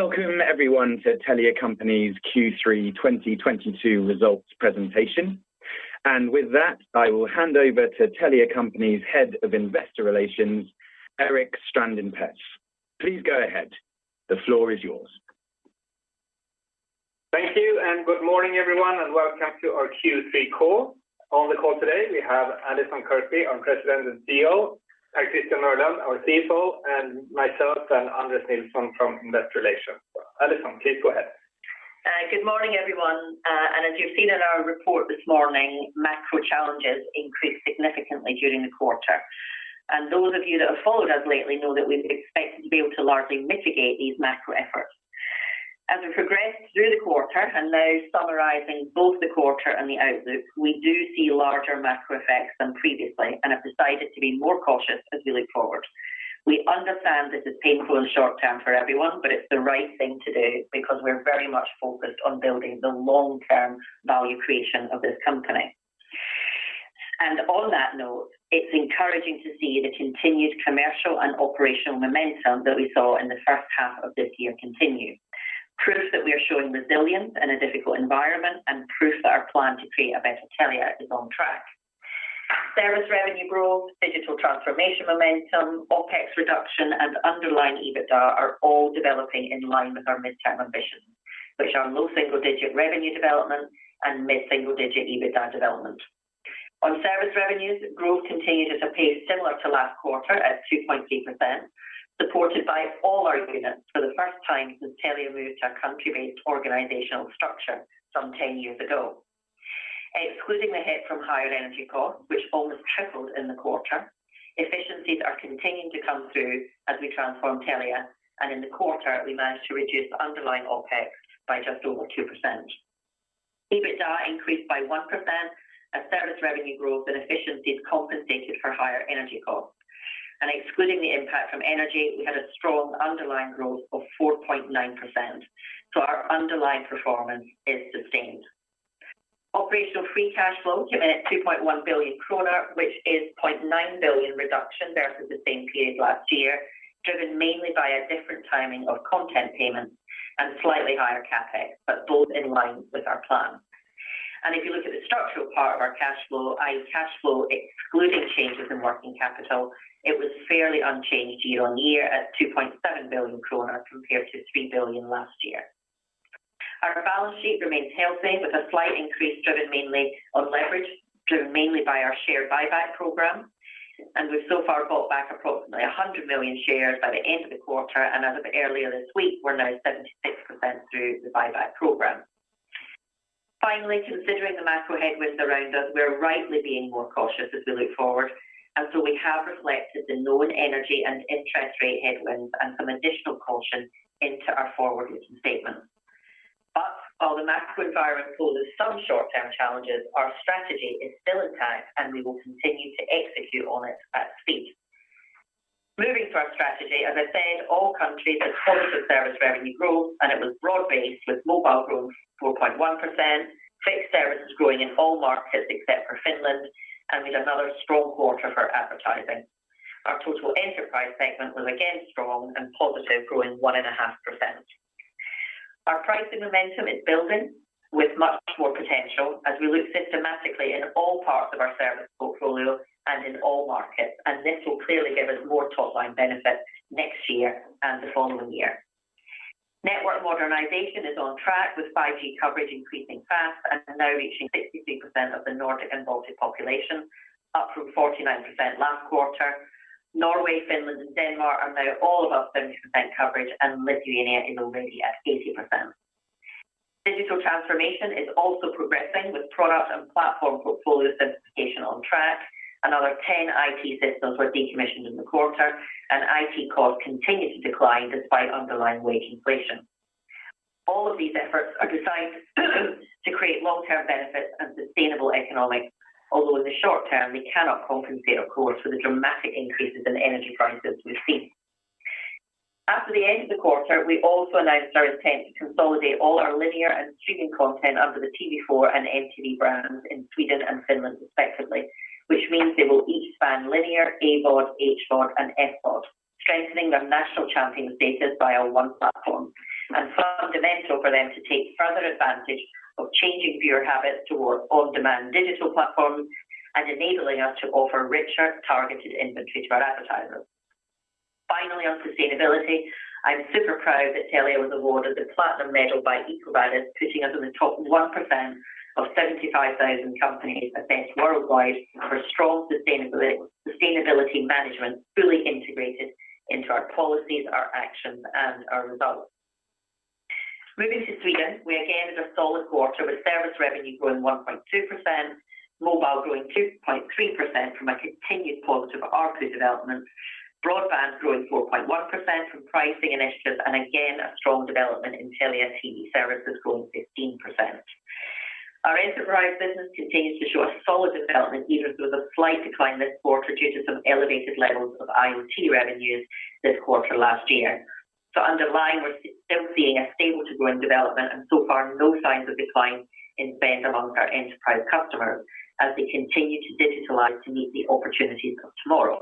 Welcome everyone to Telia Company Q3 2022 Results Presentation. With that, I will hand over to Telia Company's Head of Investor Relations, Erik Strandin Pers. Please go ahead. The floor is yours. Thank you, and good morning, everyone, and welcome to our Q3 call. On the call today, we have Allison Kirkby, our President and CEO, and Christian Mørland, our CFO, and myself, and Anders Tillander from Investor Relations. Allison, please go ahead. Good morning, everyone. As you've seen in our report this morning, macro challenges increased significantly during the quarter. Those of you that have followed us lately know that we've expected to be able to largely mitigate these macro effects. As we progressed through the quarter and now summarizing both the quarter and the outlook, we do see larger macro effects than previously and have decided to be more cautious as we look forward. We understand this is painful in the short term for everyone, but it's the right thing to do because we're very much focused on building the long-term value creation of this company. On that note, it's encouraging to see the continued commercial and operational momentum that we saw in the first half of this year continue. Proof that we are showing resilience in a difficult environment and proof that our plan to create a better Telia is on track. Service revenue growth, digital transformation momentum, OpEx reduction, and underlying EBITDA are all developing in line with our midterm ambitions, which are low single-digit revenue development and mid-single digit EBITDA development. On service revenues, growth continues at a pace similar to last quarter at 2.3%, supported by all our units for the first time since Telia moved to a country-based organizational structure some 10 years ago. Excluding the hit from higher energy costs, which almost tripled in the quarter, efficiencies are continuing to come through as we transform Telia, and in the quarter, we managed to reduce underlying OpEx by just over 2%. EBITDA increased by 1% as service revenue growth and efficiencies are compensating for higher energy costs. Excluding the impact from energy, we had a strong underlying growth of 4.9%. Our underlying performance is sustained. Operational free cash flow came in at 2.1 billion kronor, which is 0.9 billion reduction versus the same period last year, driven mainly by a different timing of content payments and slightly higher CapEx, but both in line with our plan. If you look at the structural part of our cash flow, i.e. cash flow excluding changes in working capital, it was fairly unchanged year-on-year at 2.7 billion kronor compared to 3 billion last year. Our balance sheet remains healthy, with a slight increase in leverage driven mainly by our share buyback program. We've so far bought back approximately 100 million shares by the end of the quarter, and as of earlier this week, we're now 76% through the buyback program. Finally, considering the macro headwinds around us, we're rightly being more cautious as we look forward. We have reflected the known energy and interest rate headwinds and some additional caution into our forward-looking statements. While the macro environment poses some short-term challenges, our strategy is still intact, and we will continue to execute on it at speed. Moving to our strategy, as I said, all countries had positive service revenue growth, and it was broad-based with mobile growth 4.1%, fixed services growing in all markets except for Finland, and with another strong quarter for advertising. Our total enterprise segment was again strong and positive, growing 1.5%. Our pricing momentum is building with much more potential as we look systematically in all parts of our service portfolio and in all markets, and this will clearly give us more top-line benefits next year and the following year. Network modernization is on track, with 5G coverage increasing fast and now reaching 63% of the Nordic and Baltic population, up from 49% last quarter. Norway, Finland, and Denmark are now all above 70% coverage, and Lithuania is already at 80%. Digital transformation is also progressing, with product and platform portfolio simplification on track. Another 10 IT systems were decommissioned in the quarter, and IT costs continue to decline despite underlying wage inflation. All of these efforts are designed to create long-term benefits and sustainable economics. Although in the short term, we cannot compensate, of course, for the dramatic increases in energy prices we've seen. After the end of the quarter, we also announced our intent to consolidate all our linear and streaming content under the TV4 and MTV brands in Sweden and Finland, respectively. Which means they will each span linear, AVOD, HVOD, and SVOD, strengthening their national champion status via one platform. Fundamental for them to take further advantage of changing viewer habits toward on-demand digital platforms and enabling us to offer richer targeted inventory to our advertisers. Finally, on sustainability, I'm super proud that Telia was awarded the Platinum Medal by EcoVadis, putting us in the top 1% of 75,000 companies assessed worldwide for strong sustainability management, fully integrated into our policies, our actions, and our results. Moving to Sweden, we again had a solid quarter with service revenue growing 1.2%, mobile growing 2.3% from a continued positive ARPU development, broadband growing 4.1% from pricing initiatives, and again, a strong development in Telia TV services growing 15%. Our enterprise business continues to show a solid development, even though the slight decline this quarter due to some elevated levels of IoT revenues this quarter last year. Underlying, we're still seeing a stable to growing development and so far no signs of decline in spend among our enterprise customers as they continue to digitalize to meet the opportunities of tomorrow.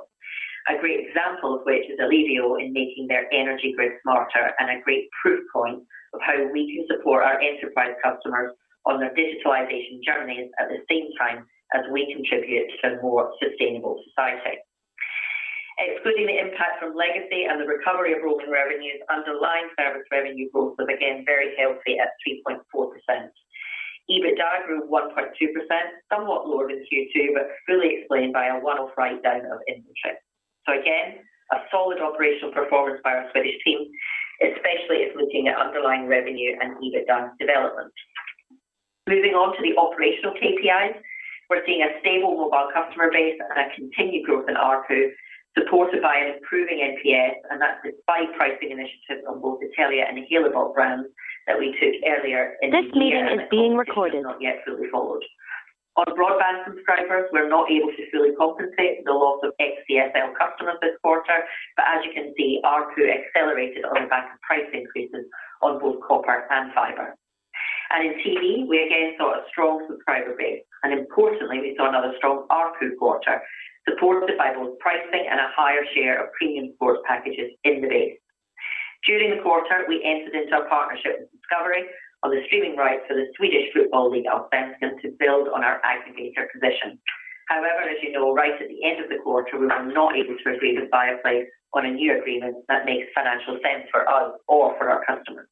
A great example of which is Ellevio in making their energy grid smarter and a great proof point of how we can support our enterprise customers on their digitalization journeys at the same time as we contribute to a more sustainable society. Excluding the impact from legacy and the recovery of roaming revenues, underlying service revenue growth was again very healthy at 3.4%. EBITDA grew 1.2%, somewhat lower than Q2, but fully explained by a one-off write-down of Fello. Again, a solid operational performance by our Swedish team, especially if looking at underlying revenue and EBITDA development. Moving on to the operational KPIs. We're seeing a stable mobile customer base and a continued growth in ARPU, supported by an improving NPS, and that's despite pricing initiatives on both the Telia and Halebop brands that we took earlier in the year and which have not yet fully flowed through. This meeting is being recorded. On broadband subscribers, we're not able to fully compensate for the loss of XDSL customers this quarter. As you can see, ARPU accelerated on the back of price increases on both copper and fiber. In TV, we again saw a strong subscriber base, and importantly, we saw another strong ARPU quarter, supported by both pricing and a higher share of premium sports packages in the base. During the quarter, we entered into our partnership with Discovery on the streaming rights for the Swedish football league Allsvenskan to build on our aggregator position. However, as you know, right at the end of the quarter, we were not able to agree with Viaplay on a new agreement that makes financial sense for us or for our customers.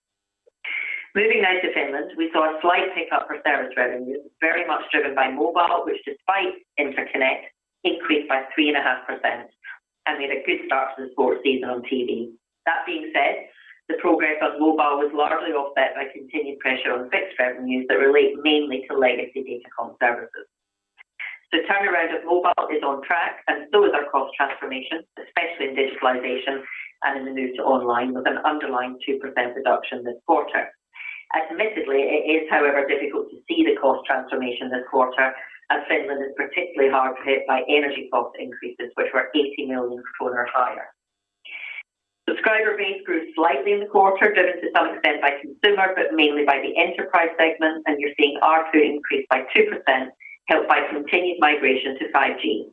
Moving now to Finland, we saw a slight pickup for service revenues, very much driven by mobile, which, despite interconnect, increased by 3.5% and made a good start to the sports season on TV. That being said, the progress on mobile was largely offset by continued pressure on fixed revenues that relate mainly to legacy datacom services. The turnaround of mobile is on track, and so is our cost transformation, especially in digitalization and in the move to online, with an underlying 2% reduction this quarter. Admittedly, it is, however, difficult to see the cost transformation this quarter as Finland is particularly hard hit by energy cost increases, which were 80 million kronor higher. Subscriber base grew slightly in the quarter, driven to some extent by consumer, but mainly by the enterprise segment, and you're seeing ARPU increase by 2%, helped by continued migration to 5G.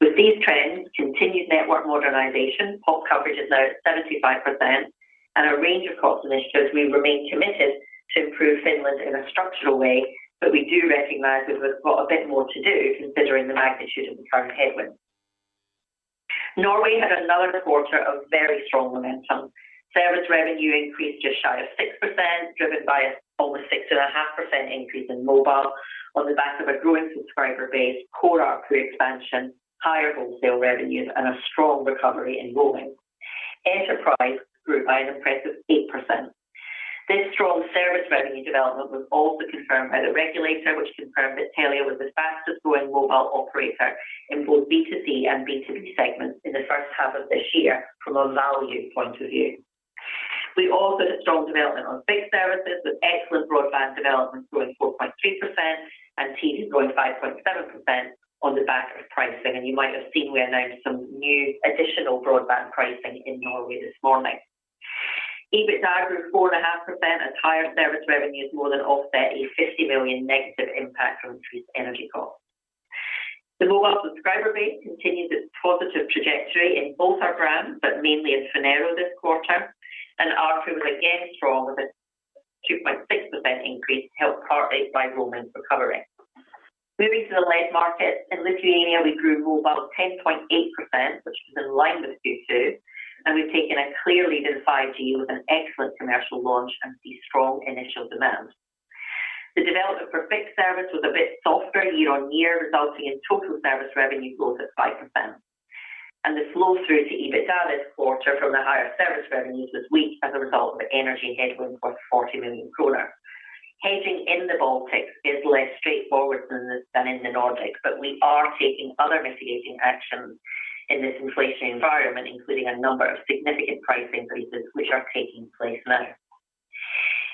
With these trends, continued network modernization, pop coverage is now at 75% and a range of cost initiatives, we remain committed to improve Finland in a structural way, but we do recognize that we've got a bit more to do considering the magnitude of the current headwinds. Norway had another quarter of very strong momentum. Service revenue increased just shy of 6%, driven by an almost 6.5% increase in mobile on the back of a growing subscriber base, core ARPU expansion, higher wholesale revenues, and a strong recovery in roaming. Enterprise grew by an impressive 8%. This strong service revenue development was also confirmed by the regulator, which confirmed that Telia was the fastest-growing mobile operator in both B2C and B2B segments in the first half of this year from a value point of view. We also had a strong development on fixed services with excellent broadband development growing 4.3% and TV growing 5.7% on the back of pricing. You might have seen we announced some new additional broadband pricing in Norway this morning. EBITDA grew 4.5% as higher service revenues more than offset a 50 million negative impact from increased energy costs. The mobile subscriber base continued its positive trajectory in both our brands, but mainly in Fello this quarter. ARPU was again strong with a 2.6% increase helped partly by roaming recovery. Moving to the lead markets. In Lithuania, we grew mobile 10.8%, which was in line with Q2, and we've taken a clear lead in 5G with an excellent commercial launch and see strong initial demand. The development for fixed service was a bit softer year on year, resulting in total service revenue growth at 5%. The flow through to EBITDA this quarter from the higher service revenues was weak as a result of energy headwind worth 40 million kronor. Hedging in the Baltics is less straightforward than in the Nordics, but we are taking other mitigating actions in this inflationary environment, including a number of significant price increases which are taking place now.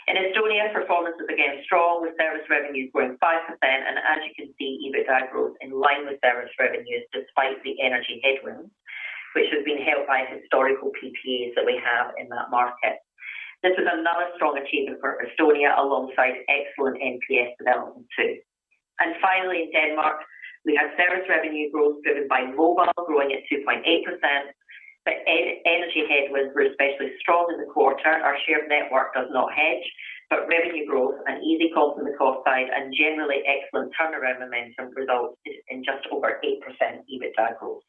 In Estonia, performance was again strong, with service revenues growing 5%. As you can see, EBITDA growth in line with service revenues despite the energy headwinds, which has been helped by historical PPAs that we have in that market. This is another strong achievement for Estonia, alongside excellent NPS development too. Finally, in Denmark, we have service revenue growth driven by mobile growing at 2.8%. Energy headwinds were especially strong in the quarter. Our shared network does not hedge, but revenue growth and easy comps on the cost side and generally excellent turnaround momentum resulted in just over 8% EBITDA growth.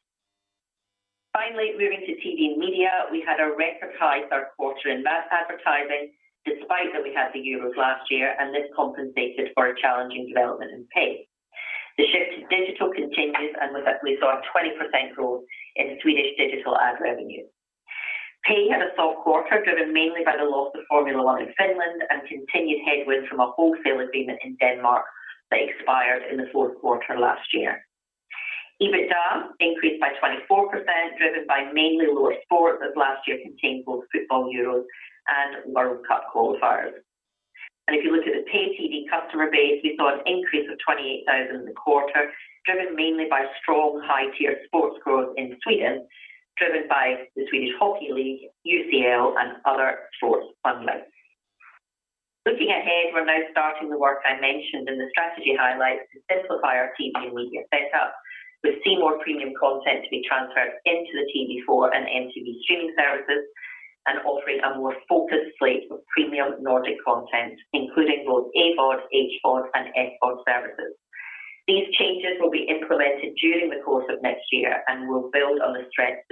Finally, moving to TV and media, we had a record high third quarter in MAT advertising, despite that we had the Euros last year, and this compensated for a challenging development in pay. The shift to digital continues, and with that we saw a 20% growth in Swedish digital ad revenue. Pay had a soft quarter, driven mainly by the loss of Formula One in Finland and continued headwinds from a wholesale agreement in Denmark that expired in the fourth quarter last year. EBITDA increased by 24%, driven by mainly lower sports as last year contained both football Euros and World Cup qualifiers. If you look at the pay TV customer base, we saw an increase of 28,000 in the quarter, driven mainly by strong high-tier sports growth in Sweden, driven by the Swedish Hockey League, UCL, and other sports bundling. Looking ahead, we're now starting the work I mentioned in the strategy highlights to simplify our TV and media setup. We see more premium content to be transferred into the TV4 and MTV streaming services and offering a more focused slate of premium Nordic content, including both AVOD, HVOD, and SVOD services. These changes will be implemented during the course of next year and will build on the strengths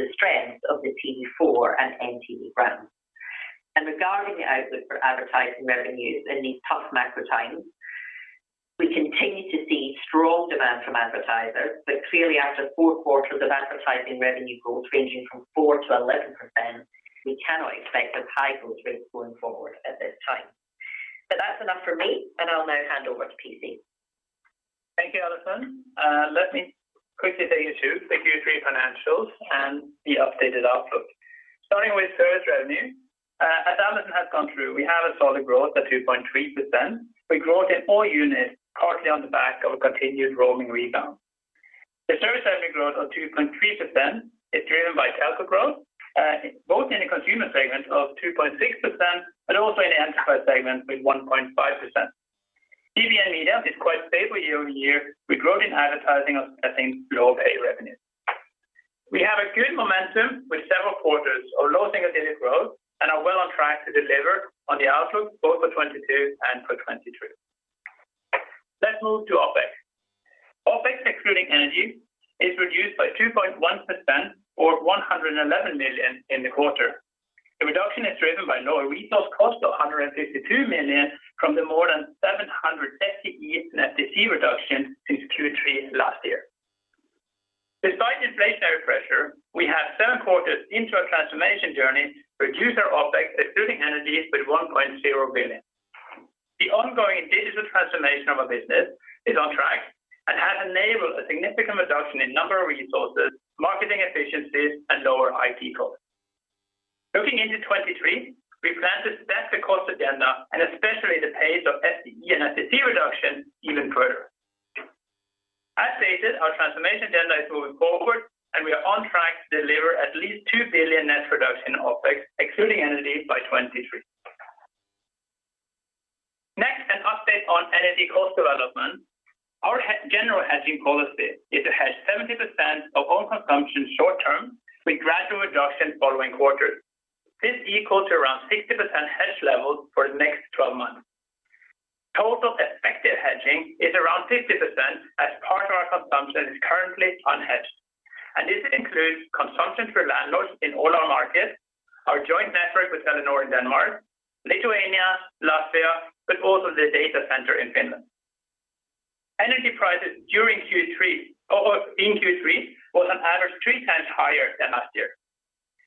of the TV4 and MTV brands. Regarding the outlook for advertising revenues in these tough macro times, we continue to see strong demand from advertisers. Clearly, after 4 quarters of advertising revenue growth ranging from 4%-11%, we cannot expect as high growth rates going forward at this time. That's enough for me, and I'll now hand over to PC. Thank you, Allison. Let me quickly take you through the Q3 financials and the updated outlook. Starting with service revenue. As Allison has gone through, we have a solid growth at 2.3%. We grew in all units, partly on the back of a continued roaming rebound. The service revenue growth of 2.3% is driven by telco growth, both in the consumer segment of 2.6% and also in the enterprise segment with 1.5%. TV and media is quite stable year-over-year, with growth in advertising offsetting lower pay revenue. We have a good momentum with several quarters of low single-digit growth and are well on track to deliver on the outlook both for 2022 and for 2023. Let's move to OpEx. OpEx, excluding energy, is reduced by 2.1% or 111 million in the quarter. The reduction is driven by lower resource costs of 152 million from the more than 700 FTE reduction since Q3 last year. Despite inflationary pressure, we have 7 quarters into our transformation journey, reduced our OpEx, excluding energy, with 1.0 billion. The ongoing digital transformation of our business is on track and has enabled a significant reduction in number of resources, marketing efficiencies, and lower IT costs. Looking into 2023, we plan to step the cost agenda and especially the pace of FTE reduction even further. As stated, our transformation agenda is moving forward, and we are on track to deliver at least 2 billion net reduction in OpEx, excluding energy, by 2023. Next, an update on energy cost development. Our general hedging policy is to hedge 70% of own consumption short term with gradual reduction following quarters. This equals to around 60% hedge levels for the next twelve months. Total effective hedging is around 50%, as part of our consumption is currently unhedged, and this includes consumption for landlords in all our markets, our joint network with Telenor in Denmark, Lithuania, Latvia, but also the data center in Finland. Energy prices during Q3 were on average 3 times higher than last year.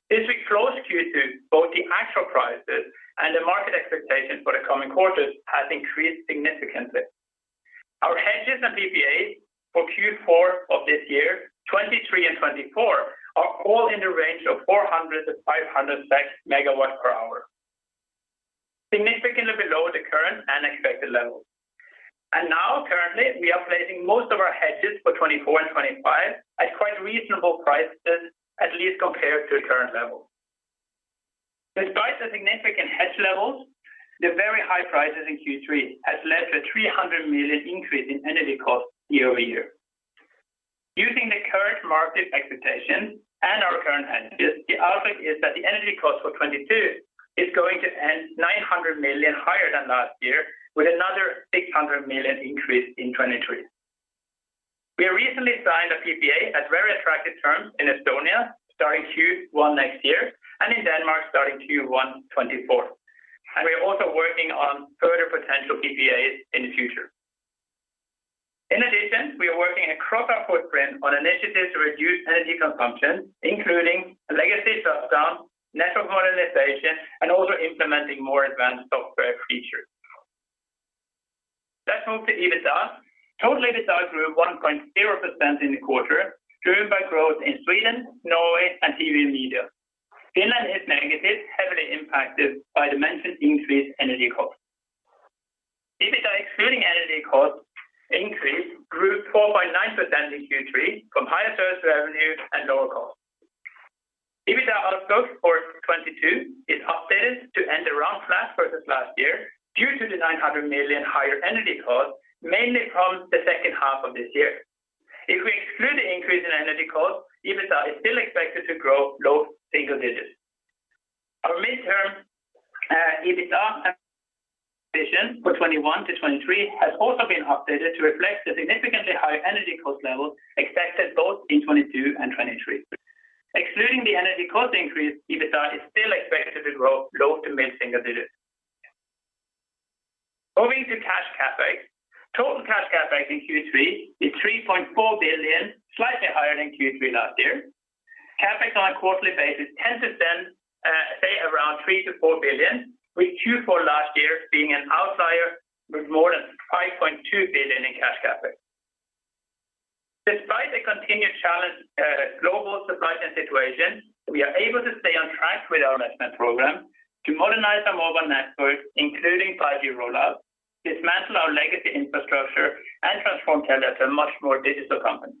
This is close to Q2, both the actual prices and the market expectation for the coming quarters has increased significantly. Our hedges and PPAs for Q4 of this year, 2023 and 2024 are all in the range of 400-500 MWh. Significantly below the current and expected levels. Now currently, we are placing most of our hedges for 2024 and 2025 at quite reasonable prices, at least compared to current levels. Despite the significant hedge levels, the very high prices in Q3 has led to a 300 million increase in energy costs year over year. Using the current market expectation and our current hedges, the outlook is that the energy cost for 2022 is going to end 900 million higher than last year with another 600 million increase in 2023. We recently signed a PPA at very attractive terms in Estonia, starting Q1 next year and in Denmark starting Q1 2024. We are also working on further potential PPAs in the future. In addition, we are working across our footprint on initiatives to reduce energy consumption, including legacy shutdown, network modernization, and also implementing more advanced software features. Let's move to EBITDA. Total EBITDA grew 1.0% in the quarter, driven by growth in Sweden, Norway, and TV and media. Finland is negative, heavily impacted by the mentioned increased energy costs. EBITDA excluding energy costs increase grew 4.9% in Q3 from higher service revenue and lower costs. EBITDA outlook for 2022 is updated to end around flat versus last year due to the 900 million higher energy costs, mainly from the second half of this year. If we exclude the increase in energy costs, EBITDA is still expected to grow low single digits%. Our midterm EBITDA ambition for 2021 to 2023 has also been updated to reflect the significantly higher energy cost levels expected both in 2022 and 2023. Excluding the energy cost increase, EBITDA is still expected to grow low to mid single digits%. Moving to cash CapEx. Total cash CapEx in Q3 is 3.4 billion, slightly higher than Q3 last year. CapEx on a quarterly basis tends to stay around 3-4 billion, with Q4 last year being an outlier with more than 5.2 billion in cash CapEx. Despite the continued challenge, global supply chain situation, we are able to stay on track with our investment program to modernize our mobile network, including 5G rollout, dismantle our legacy infrastructure, and transform Telia to a much more digital company.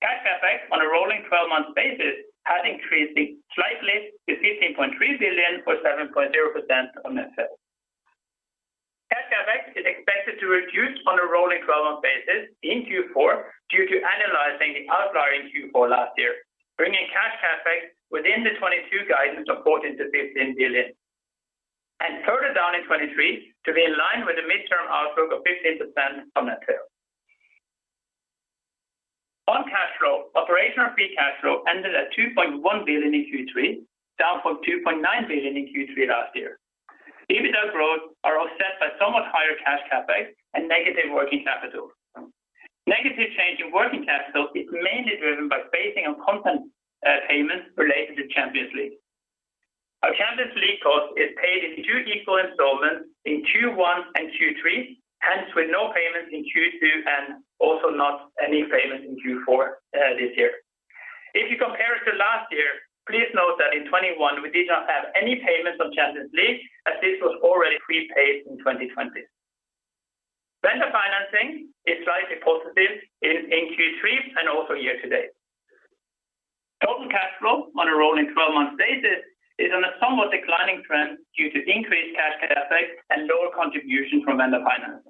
Cash CapEx on a rolling twelve-month basis had increased slightly to 15.3 billion or 7.0% on net sales. Cash CapEx is expected to reduce on a rolling twelve-month basis in Q4 due to annualizing the outlying Q4 last year, bringing cash CapEx within the 2022 guidance of 14-15 billion. Further down in 2023 to be in line with the mid-term outlook of 15% on net sales. On cash flow, operational free cash flow ended at 2.1 billion in Q3, down from 2.9 billion in Q3 last year. EBITDA growth are offset by somewhat higher cash CapEx and negative working capital. Negative change in working capital is mainly driven by spending on content payments related to Champions League. Our Champions League cost is paid in two equal installments in Q1 and Q3, hence with no payments in Q2 and also not any payment in Q4 this year. If you compare it to last year, please note that in 2021 we did not have any payments on Champions League as this was already prepaid in 2020. Vendor financing is slightly positive in Q3 and also year to date. Total cash flow on a rolling twelve-month basis is on a somewhat declining trend due to increased cash CapEx and lower contribution from vendor finance.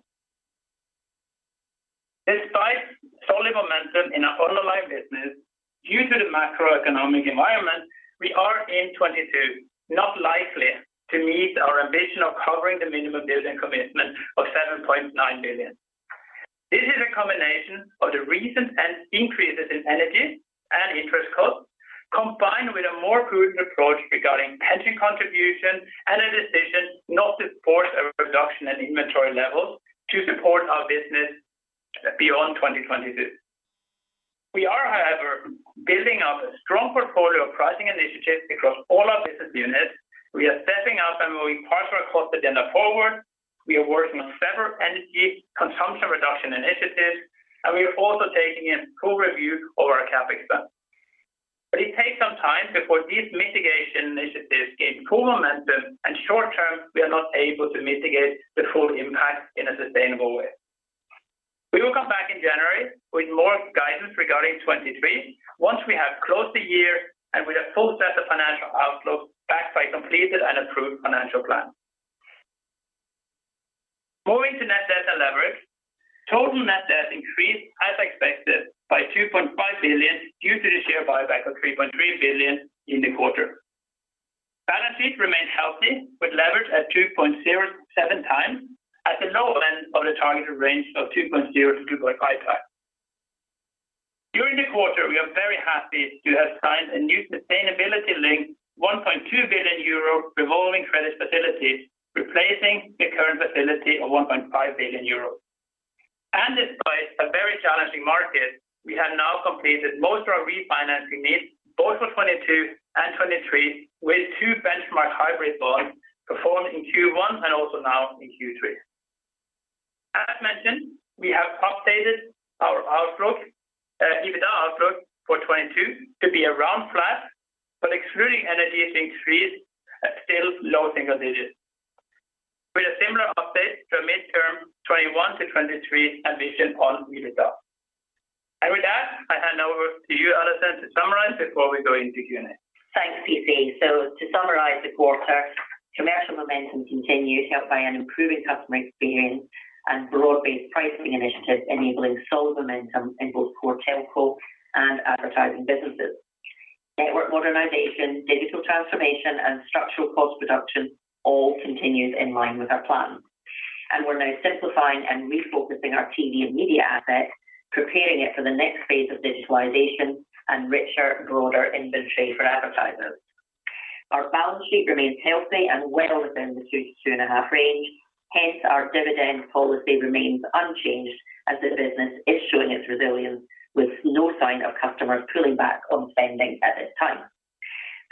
Despite solid momentum in our underlying business, due to the macroeconomic environment we are in 2022, not likely to meet our ambition of covering the minimum dividend commitment of 7.9 billion. This is a combination of the recent increases in energy and interest costs, combined with a more prudent approach regarding pension contribution and a decision not to force a reduction in inventory levels to support our business beyond 2022. We are, however, building up a strong portfolio of pricing initiatives across all our business units. We are stepping up and moving parts of our cost agenda forward. We are working on several energy consumption reduction initiatives, and we are also taking a full review of our CapEx spend. It takes some time before these mitigation initiatives gain full momentum, and short term, we are not able to mitigate the full impact in a sustainable way. We will come back in January with more guidance regarding 2023 once we have closed the year and with a full set of financial outlook backed by completed and approved financial plan. Moving to net debt and leverage. Total net debt increased as expected by 2.5 billion due to the share buyback of 3.3 billion in the quarter. Balance sheet remains healthy with leverage at 2.07 times at the lower end of the targeted range of 2.0-2.5 times. During the quarter, we are very happy to have signed a new sustainability-linked 1.2 billion euro revolving credit facilities, replacing the current facility of 1.5 billion euro. Despite a very challenging market, we have now completed most of our refinancing needs both for 2022 and 2023, with two benchmark hybrid bonds performed in Q1 and also now in Q3. As mentioned, we have updated our outlook, EBITDA outlook for 2022 to be around flat, but excluding energy increase, still low single digits. With a similar update to a midterm 2021 to 2023 ambition on EBITDA. With that, I hand over to you, Allison, to summarize before we go into Q&A. Thanks, PC. To summarize the quarter, commercial momentum continued, helped by an improving customer experience and broad-based pricing initiatives enabling solid momentum in both core telco and advertising businesses. Network modernization, digital transformation, and structural cost reduction all continues in line with our plan. We're now simplifying and refocusing our TV and media assets, preparing it for the next phase of digitalization and richer, broader inventory for advertisers. Our balance sheet remains healthy and well within the 2-2.5 range. Hence, our dividend policy remains unchanged as the business is showing its resilience with no sign of customers pulling back on spending at this time.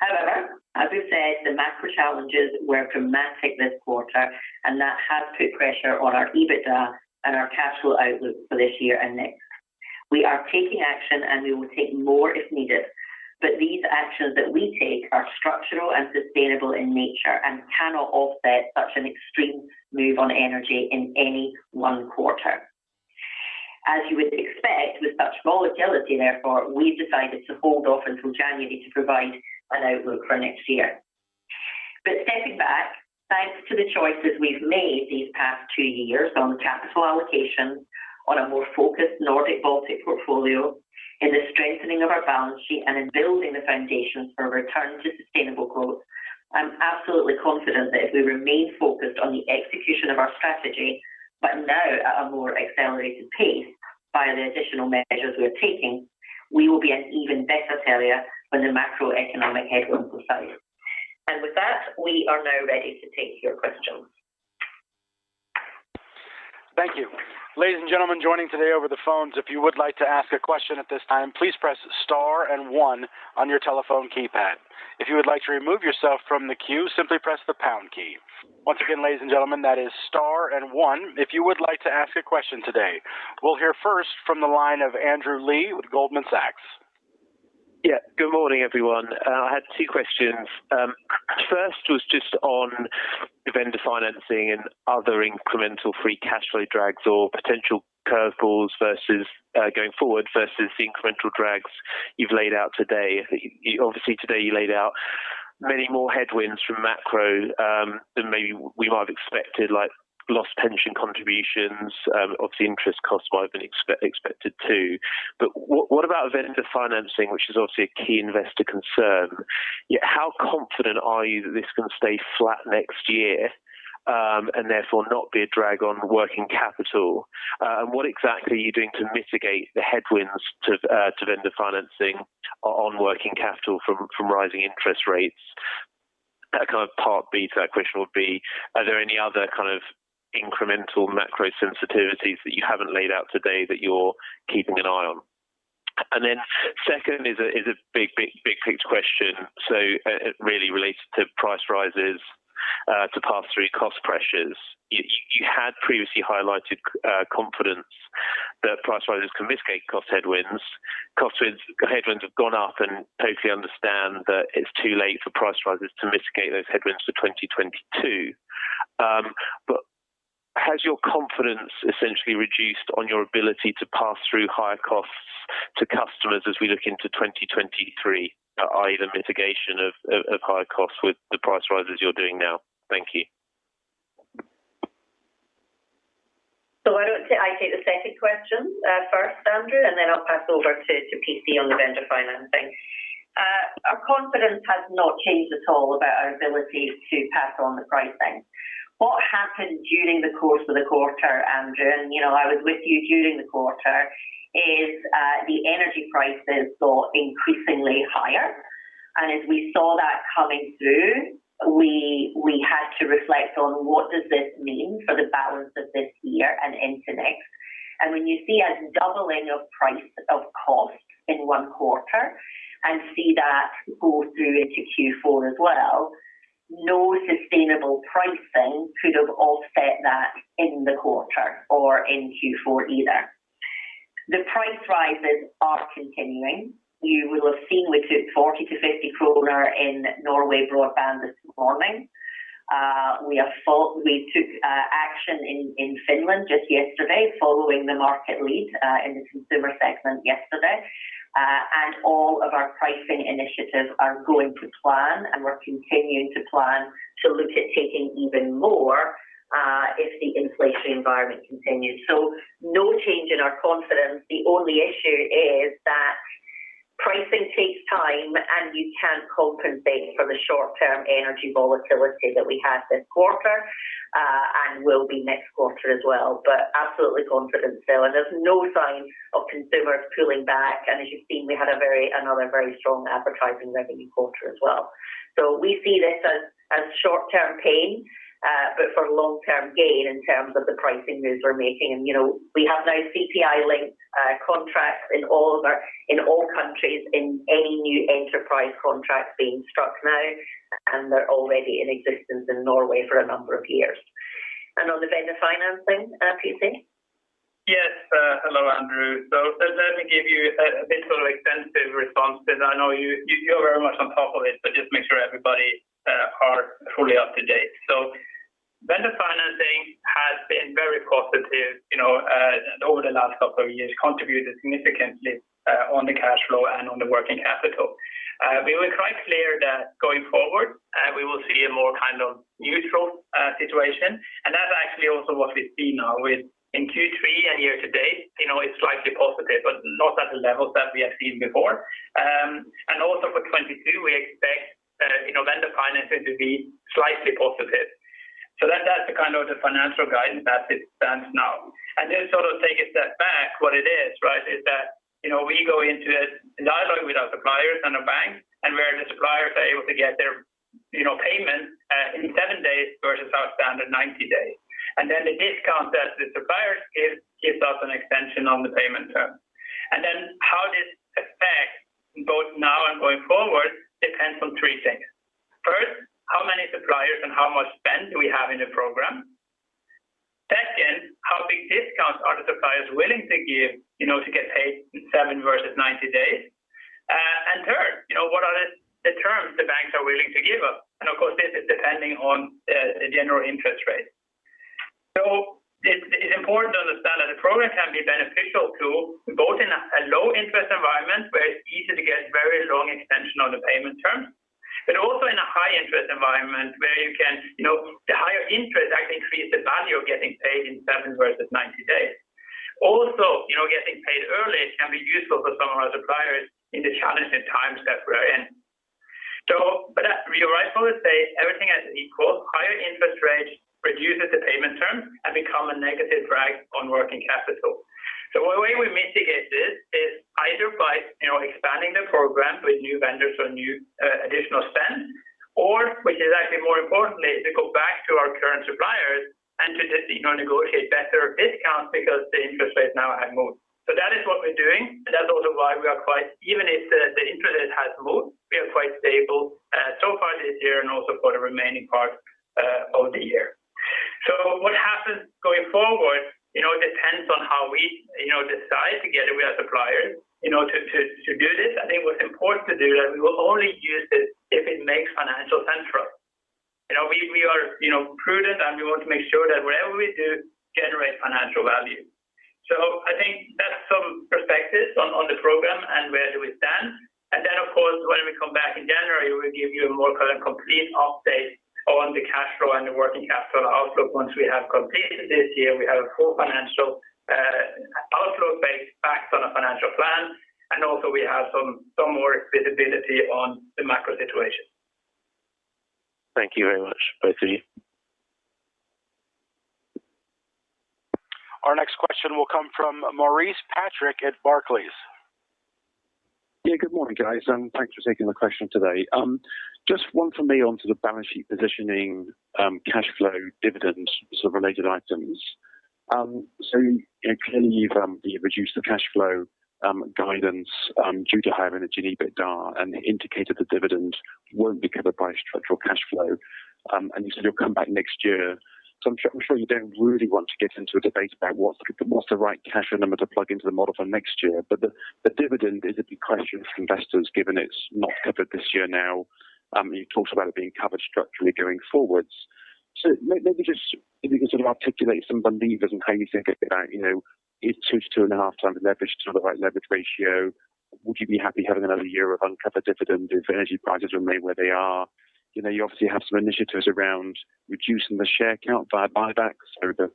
However, as we've said, the macro challenges were dramatic this quarter, and that has put pressure on our EBITDA and our capital outlook for this year and next. We are taking action, and we will take more if needed. These actions that we take are structural and sustainable in nature and cannot offset such an extreme move on energy in any one quarter. As you would expect with such volatility, therefore, we've decided to hold off until January to provide an outlook for next year. Stepping back, thanks to the choices we've made these past two years on capital allocation, on a more focused Nordic-Baltic portfolio, in the strengthening of our balance sheet, and in building the foundation for a return to sustainable growth, I'm absolutely confident that if we remain focused on the execution of our strategy, but now at a more accelerated pace via the additional measures we're taking, we will be an even better Telia when the macroeconomic headwinds subside. With that, we are now ready to take your questions. Thank you. Ladies and gentlemen joining today over the phones, if you would like to ask a question at this time, please press star and one on your telephone keypad. If you would like to remove yourself from the queue, simply press the pound key. Once again, ladies and gentlemen, that is star and one, if you would like to ask a question today. We'll hear first from the line of Andrew Lee with Goldman Sachs. Yeah. Good morning, everyone. I had two questions. First was just on vendor financing and other incremental free cash flow drags or potential curveballs versus going forward versus the incremental drags you've laid out today. Obviously today you laid out many more headwinds from macro than maybe we might have expected, like lost pension contributions, obviously interest costs might have been expected too. But what about vendor financing, which is obviously a key investor concern? How confident are you that this is gonna stay flat next year, and therefore not be a drag on working capital? And what exactly are you doing to mitigate the headwinds to vendor financing on working capital from rising interest rates? Kind of part B to that question would be, are there any other kind of incremental macro sensitivities that you haven't laid out today that you're keeping an eye on? Then second is a big picture question. Really related to price rises to pass through cost pressures. You had previously highlighted confidence that price rises can mitigate cost headwinds. Headwinds have gone up, and totally understand that it's too late for price rises to mitigate those headwinds for 2022. But has your confidence essentially reduced on your ability to pass through higher costs to customers as we look into 2023, either mitigation of higher costs with the price rises you're doing now? Thank you. Why don't I take the second question first, Andrew, and then I'll pass over to PC on the vendor financing. Our confidence has not changed at all about our ability to pass on the pricing. What happened during the course of the quarter, Andrew, and you know, I was with you during the quarter, is the energy prices got increasingly higher. As we saw that coming through, we had to reflect on what does this mean for the balance of this year and into next. When you see a doubling of price or cost in one quarter and see that go through into Q4 as well, no sustainable pricing could have offset that in the quarter or in Q4 either. The price rises are continuing. You will have seen we took 40-50 kroner in Norway broadband this morning. We took action in Finland just yesterday following the market lead in the consumer segment yesterday. All of our pricing initiatives are going to plan, and we're continuing to plan to look at taking even more if the inflationary environment continues. No change in our confidence. The only issue is that pricing takes time, and you can't compensate for the short-term energy volatility that we had this quarter and will be next quarter as well. Absolutely confidence still. There's no sign of consumers pulling back. As you've seen, we had another very strong advertising revenue quarter as well. We see this as short-term pain but for long-term gain in terms of the pricing moves we're making. You know, we have now CPI linked contracts in all countries in any new enterprise contract being struck now, and they're already in existence in Norway for a number of years. On the vendor financing, Per Christian Mørland. Yes. Hello, Andrew. Let me give you a bit of extensive response because I know you're very much on top of it, but just make sure everybody are fully up to date. Vendor financing has been very positive, you know, over the last couple of years, contributed significantly on the cash flow and on the working capital. We were quite clear that going forward we will see a more kind of neutral situation. That's actually also what we see now within Q3 and year to date. You know, it's slightly positive, but not at the levels that we have seen before. Also for 2022, we expect you know, vendor financing to be slightly positive. That's the kind of financial guidance as it stands now. Sort of take a step back. What it is, right, is that, you know, we go into a dialogue with our suppliers and the bank and where the suppliers are able to get their, you know, payment, in 7 days versus our standard 90 days. The discount that the suppliers give, gives us an extension on the payment term. How this affects both now and going forward depends on three things. First, how many suppliers and how much spend do we have in the program? Second, how big discounts are the suppliers willing to give, you know, to get paid in 7 versus 90 days? Third, you know, what are the terms the banks are willing to give us? Of course, this is depending on the general interest rate. It's important to understand that the program can be beneficial to both in a low interest environment where it's easy to get very long extension on the payment terms, but also in a high interest environment where you can, you know, the higher interest actually increase the value of getting paid in 7 versus 90 days. Also, you know, getting paid early can be useful for some of our suppliers in the challenging times that we're in. We always say everything else is equal. Higher interest rates reduces the payment terms and become a negative drag on working capital. One way we mitigate this is either by, you know, expanding the program with new vendors or new, additional spend, or which is actually more importantly, to go back to our current suppliers and to just, you know, negotiate better discounts because the interest rates now have moved. That is what we're doing, and that's also why we are quite stable even if the interest has moved, we are quite stable this year and also for the remaining part of the year. What happens going forward, you know, depends on how we, you know, decide together with our suppliers, you know, to do this. I think what's important to do that we will only use it if it makes financial sense for us. You know, we are, you know, prudent, and we want to make sure that whatever we do generates financial value. I think that's some perspective on the program and where we stand. Of course, when we come back in January, we'll give you a more kind of complete update on the cash flow and the working capital outlook. Once we have completed this year, we have a full financial outlook based on a financial plan, and also we have some more visibility on the macro situation. Thank you very much, both of you. Our next question will come from Maurice Patrick at Barclays. Yeah, good morning, guys, and thanks for taking the question today. Just one for me onto the balance sheet positioning, cash flow dividend, sort of related items. Clearly you've reduced the cash flow guidance due to having a G&A EBITDA, and indicated the dividend won't be covered by structural cash flow. You said you'll come back next year. I'm sure you don't really want to get into a debate about what's the right cash flow number to plug into the model for next year. The dividend is a big question for investors, given it's not covered this year now. You talked about it being covered structurally going forwards. Maybe just if you can sort of articulate some levers and how you think about, you know, is 2-2.5 times leverage sort of the right leverage ratio? Would you be happy having another year of uncovered dividend if energy prices remain where they are? You know, you obviously have some initiatives around reducing the share count via buybacks or the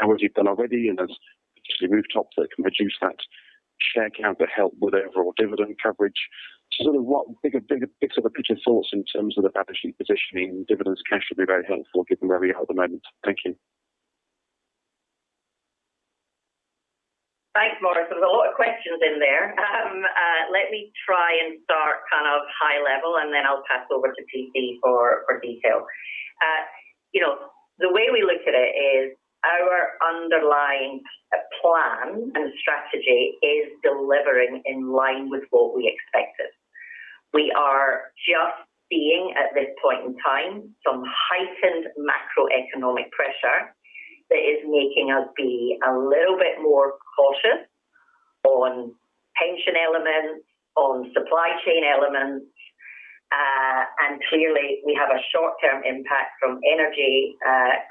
towers you've done already, and there's particularly rooftops that can reduce that share count but help with overall dividend coverage. Sort of what bigger picture thoughts in terms of the balance sheet positioning and dividends cash would be very helpful given where we are at the moment. Thank you. Thanks, Maurice. There's a lot of questions in there. Let me try and start kind of high level, and then I'll pass over to PC for detail. You know, the way we look at it is our underlying plan and strategy is delivering in line with what we expected. We are just seeing at this point in time some heightened macroeconomic pressure that is making us be a little bit more cautious on pension elements, on supply chain elements, and clearly, we have a short-term impact from energy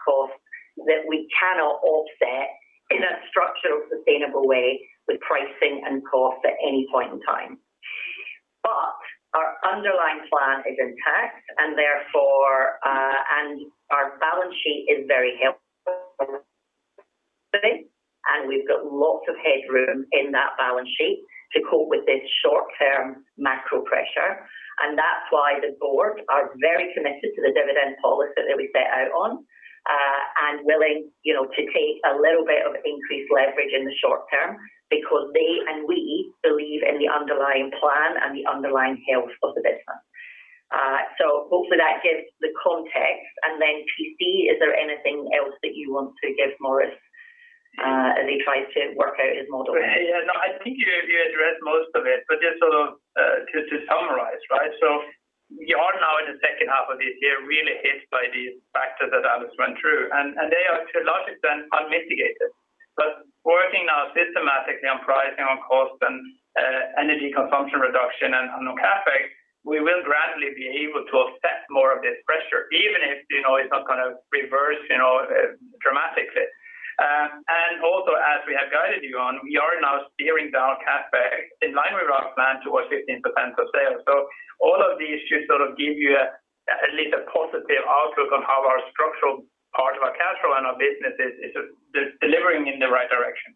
costs that we cannot offset in a structural, sustainable way with pricing and costs at any point in time. Our underlying plan is intact and therefore, and our balance sheet is very helpful. We've got lots of headroom in that balance sheet to cope with this short-term macro pressure. That's why the board are very committed to the dividend policy that we set out on, and willing, you know, to take a little bit of increased leverage in the short term because they and we believe in the underlying plan and the underlying health of the business. Hopefully that gives the context. PC, is there anything else that you want to give Maurice, as he tries to work out his model? Yeah. No, I think you addressed most of it, but just sort of to summarize, right? We are now in the second half of this year really hit by these factors that Allison went through, and they are to a large extent unmitigated. Working now systematically on pricing, on cost and energy consumption reduction and on CapEx, we will gradually be able to offset more of this pressure, even if, you know, it's not going to reverse, you know, dramatically. As we have guided you on, we are now steering down CapEx in line with our plan towards 15% of sales. All of these should sort of give you at least a positive outlook on how our structural part of our cash flow and our business is delivering in the right direction.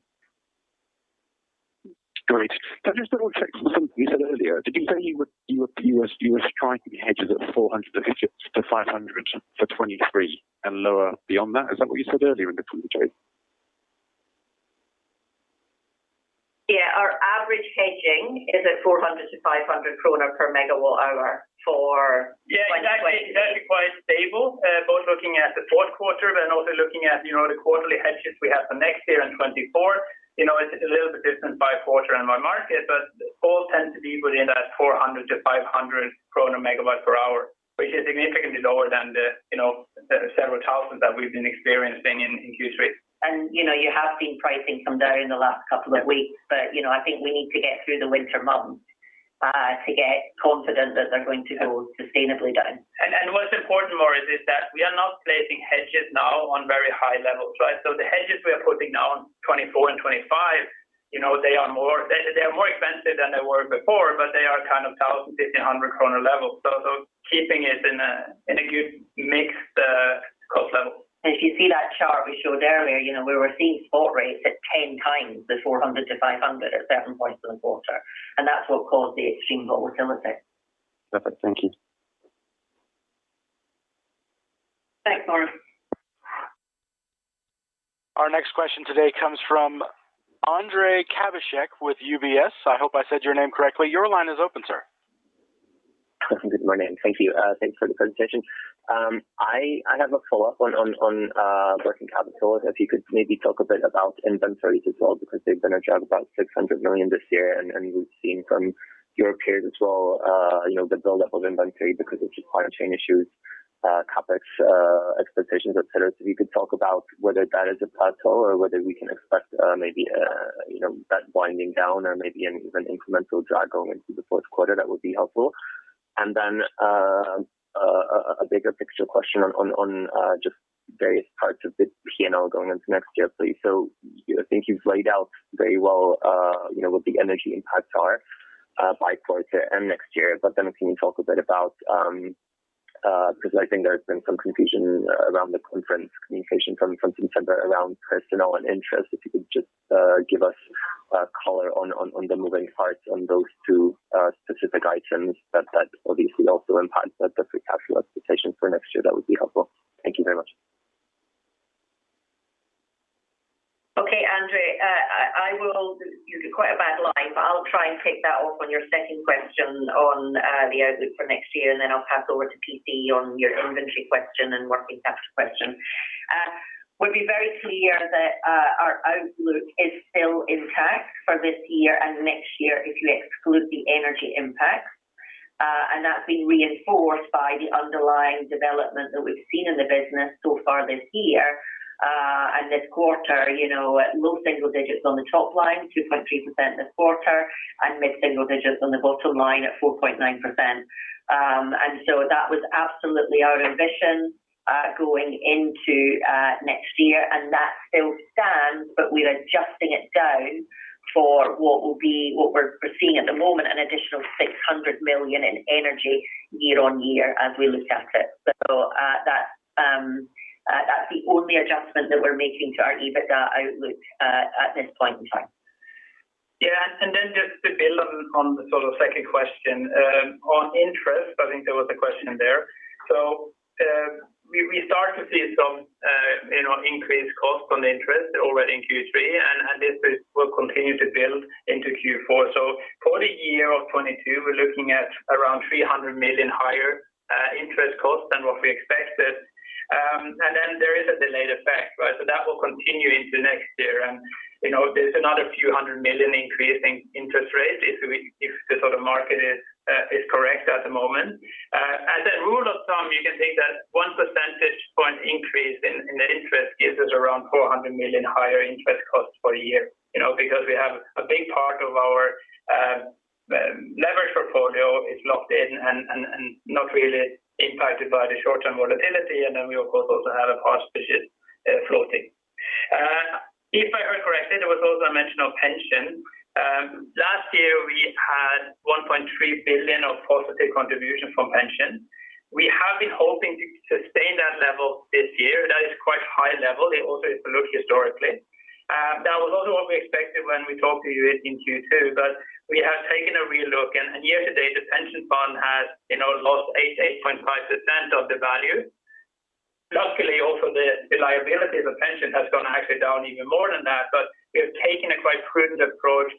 Great. Can I just double check something you said earlier? Did you say you were striking hedges at 400-500 for 2023 and lower beyond that? Is that what you said earlier in the call today? Yeah. Our average hedging is at 400-500 krona per megawatt hour for- Yeah, exactly. That'll be quite stable, both looking at the fourth quarter and also looking at, you know, the quarterly hedges we have for next year and 2024. You know, it's a little bit different by quarter and by market, but all tend to be within that 400-500 krona/MWh, which is significantly lower than the, you know, the several thousand that we've been experiencing in Q3. You know, you have seen pricing come down in the last couple of weeks, but you know, I think we need to get through the winter months to get confident that they're going to go sustainably down. What's important, Maurice, is that we are not placing hedges now on very high levels, right? The hedges we are putting now in 2024 and 2025, you know, they are more expensive than they were before, but they are kind of 1,000-1,500 kronor level. Keeping it in a good mixed cost level. If you see that chart we showed earlier, you know, we were seeing spot rates at 10 times the 400-500 at certain points in the quarter, and that's what caused the extreme volatility. Perfect. Thank you. Thanks, Maurice. Our next question today comes from Ondrej Cabejšek with UBS. I hope I said your name correctly. Your line is open, sir. Good morning. Thank you. Thanks for the presentation. I have a follow-up on working capital. If you could maybe talk a bit about inventories as well, because they've been a drag about 600 million this year, and we've seen from your peers as well, you know, the build up of inventory because of supply chain issues, CapEx expectations, et cetera. If you could talk about whether that is a plateau or whether we can expect, maybe, you know, that winding down or maybe an even incremental drag going into the fourth quarter, that would be helpful. A bigger picture question on just various parts of the P&L going into next year, please. I think you've laid out very well, you know, what the energy impacts are by quarter end next year. Then can you talk a bit about because I think there's been some confusion around the conference communication from December around personnel and interest. If you could just give us color on the moving parts on those two specific items that obviously also impact the free cash flow expectation for next year, that would be helpful. Thank you very much. Okay, Ondrej. I will use quite a bad line, but I'll try and pick up on your second question on the outlook for next year, and then I'll pass over to PC on your inventory question and working capital question. We'll be very clear that our outlook is still intact for this year and next year if you exclude the energy impact. That's been reinforced by the underlying development that we've seen in the business so far this year. This quarter, you know, low single digits on the top line, 2.3% this quarter, and mid-single digits on the bottom line at 4.9%. That was absolutely our ambition going into next year. That still stands, but we're adjusting it down for what we're seeing at the moment, an additional 600 million in energy year-over-year as we look at it. That's the only adjustment that we're making to our EBITDA outlook at this point in time. Just to build on the sort of second question. On interest, I think there was a question there. We start to see some you know, increased cost on interest already in Q3, and this will continue to build into Q4. For the year of 2022, we're looking at around 300 million higher interest costs than what we expected. Then there is a delayed effect, right? That will continue into next year. You know, there's another few hundred million increase in interest rates if the sort of market is correct at the moment. As a rule of thumb, you can think that 1 percentage point increase in the interest gives us around 400 million higher interest costs for a year, you know, because we have a big part of our leverage portfolio is locked in and not really impacted by the short-term volatility. We of course also have a substantial floating. If I heard correctly, there was also a mention of pension. Last year we had 1.3 billion of positive contribution from pension. We have been hoping to sustain that level this year. That is quite high level, also if you look historically. That was also what we expected when we talked to you in Q2. We have taken a relook, and year to date, the pension fund has, you know, lost 8%-8.5% of the value. Luckily, also the liability of the pension has gone actually down even more than that, but we have taken a quite prudent approach.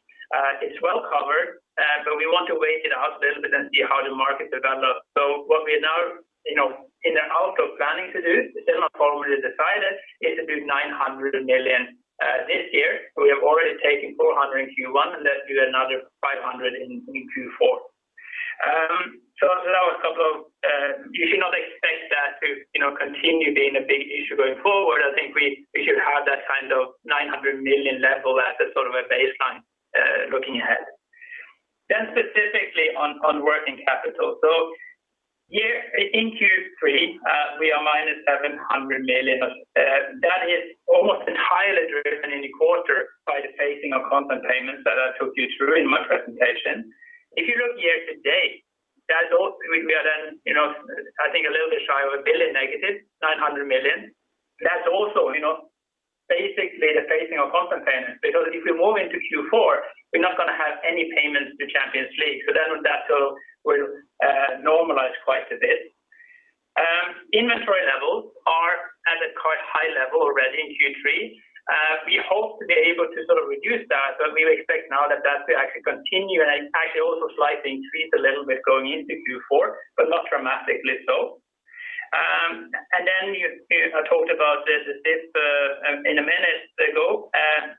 It's well covered, but we want to wait it out a little bit and see how the market develops. What we are now, you know, in the outlook planning to do, it's still not formally decided, is to do 900 million this year. We have already taken 400 million in Q1, and then do another 500 million in Q4. You should not expect that to, you know, continue being a big issue going forward. I think we should have that kind of 900 million level as a sort of a baseline, looking ahead. Specifically on working capital. Year-to-date in Q3, we are minus 700 million. That is almost entirely driven in the quarter by the pacing of content payments that I took you through in my presentation. If you look year-to-date, that's also, you know, I think a little bit shy of a billion negative, 900 million. That's also, you know, basically the pacing of content payments. Because if we move into Q4, we're not gonna have any payments to Champions League. That will normalize quite a bit. Inventory levels are at a quite high level already in Q3. We hope to be able to sort of reduce that, but we expect now that that will actually continue and actually also slightly increase a little bit going into Q4, but not dramatically so. You talked about this a minute ago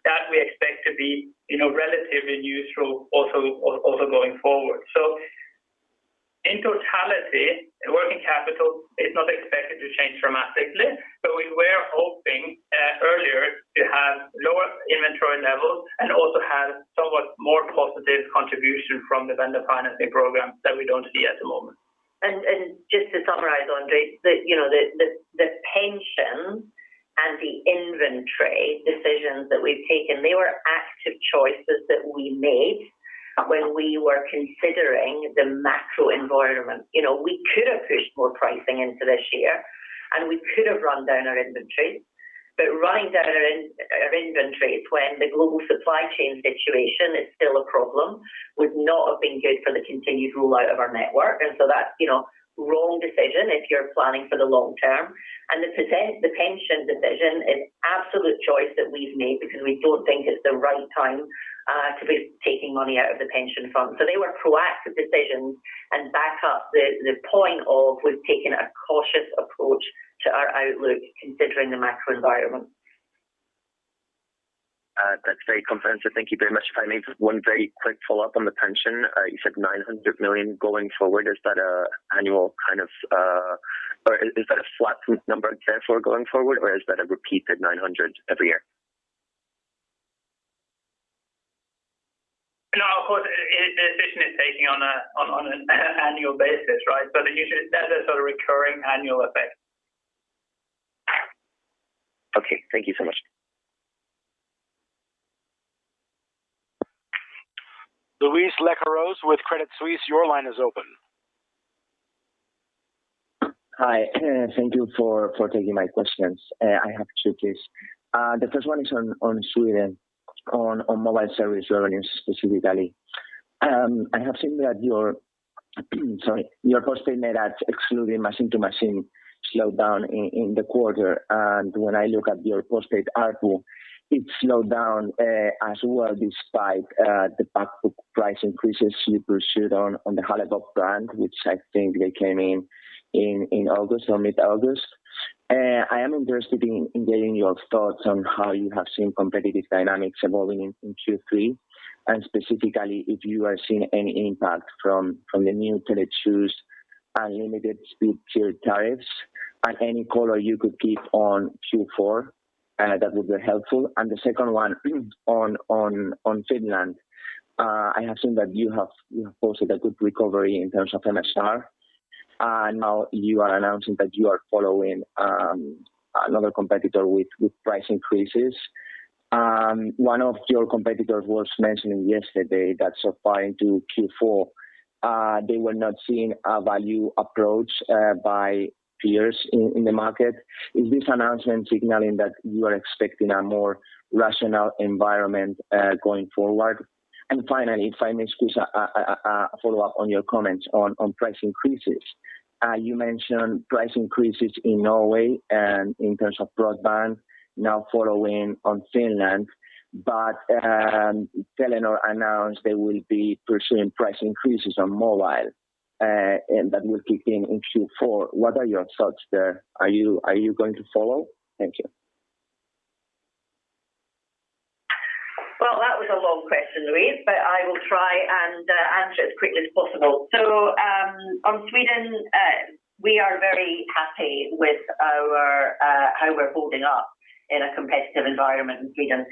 that we expect to be, you know, relatively neutral also going forward. In totality, working capital is not expected to change dramatically. We were hoping earlier to have lower inventory levels and also have somewhat more positive contribution from the vendor financing program that we don't see at the moment. Just to summarize, Ondrej, you know, the pension and the inventory decisions that we've taken, they were active choices that we made when we were considering the macro environment. You know, we could have pushed more pricing into this year, and we could have run down our inventory. Running down our inventory when the global supply chain situation is still a problem would not have been good for the continued rollout of our network. That's, you know, wrong decision if you're planning for the long term. The pension decision is absolute choice that we've made because we don't think it's the right time to be taking money out of the pension fund. They were proactive decisions and back up the point of we've taken a cautious approach to our outlook considering the macro environment. That's very comprehensive. Thank you very much. If I may, one very quick follow-up on the pension. You said 900 million going forward. Is that a annual kind of, or is that a flat number therefore going forward, or is that a repeated 900 every year? No, of course, the decision is taking on an annual basis, right? So that you should set a sort of recurring annual effect. Okay. Thank you so much. Luis Sanchez-Lecaroz with Credit Suisse, your line is open. Hi. Thank you for taking my questions. I have two, please. The first one is on Sweden, on mobile service revenue specifically. I have seen that your customer net adds excluding machine-to-machine slowed down in the quarter. When I look at your postpaid ARPU, it slowed down as well despite the back-book price increases you pursued on the Halebop brand, which I think they came in in August or mid-August. I am interested in getting your thoughts on how you have seen competitive dynamics evolving in Q3. Specifically, if you are seeing any impact from the new Tele2's unlimited speed tier tariffs. Any color you could give on Q4, that would be helpful. The second one on Finland. I have seen that you have posted a good recovery in terms of MSR. Now you are announcing that you are following another competitor with price increases. One of your competitors was mentioning yesterday that up to Q4 they were not seeing a value approach by peers in the market. Is this announcement signaling that you are expecting a more rational environment going forward? Finally, if I may squeeze a follow-up on your comments on price increases. You mentioned price increases in Norway and in terms of broadband now following in Finland. Telenor announced they will be pursuing price increases on mobile and that will kick in in Q4. What are your thoughts there? Are you going to follow? Thank you. Well, that was a long question, Luis, but I will try and answer as quickly as possible. On Sweden, we are very happy with our how we're holding up in a competitive environment in Sweden.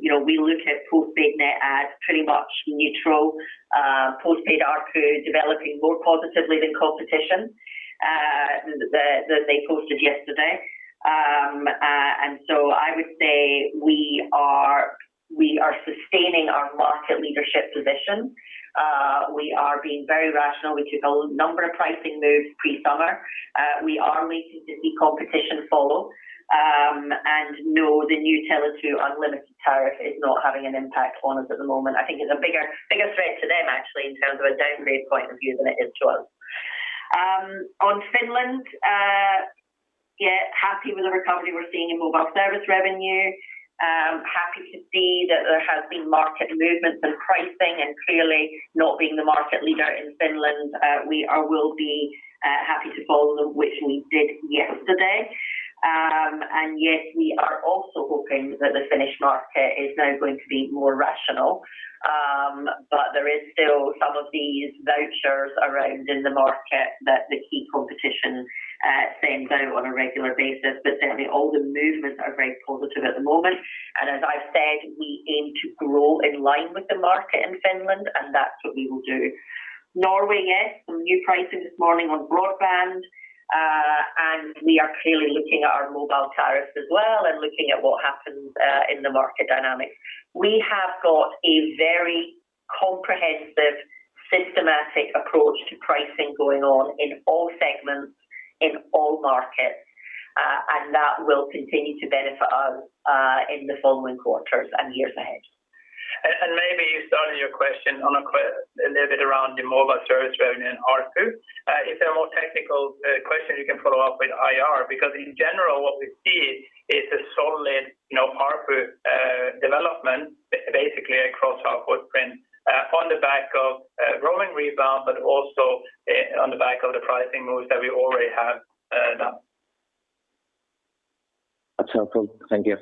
You know, we look at postpaid net as pretty much neutral, postpaid ARPU developing more positively than competition than they posted yesterday. I would say we are sustaining our market leadership position. We are being very rational. We took a number of pricing moves pre-summer. We are waiting to see competition follow. No, the new Tele2 unlimited tariff is not having an impact on us at the moment. I think it's a bigger threat to them actually in terms of a downgrade point of view than it is to us. On Finland, yeah, happy with the recovery we're seeing in mobile service revenue. Happy to see that there has been market movements and pricing and clearly not being the market leader in Finland, we will be happy to follow them, which we did yesterday. Yes, we are also hoping that the Finnish market is now going to be more rational. But there is still some of these vouchers around in the market that the key competition sends out on a regular basis. Certainly all the movements are very positive at the moment. As I've said, we aim to grow in line with the market in Finland, and that's what we will do. Norway, yes, some new pricing this morning on broadband. We are clearly looking at our mobile tariffs as well and looking at what happens in the market dynamics. We have got a very comprehensive, systematic approach to pricing going on in all segments, in all markets, and that will continue to benefit us in the following quarters and years ahead. Maybe you started your question a little bit around the mobile service revenue and ARPU. It's a more technical question you can follow up with IR. Because in general, what we see is a solid, you know, ARPU development basically across our footprint on the back of a growing rebound, but also on the back of the pricing moves that we already have done. That's helpful. Thank you.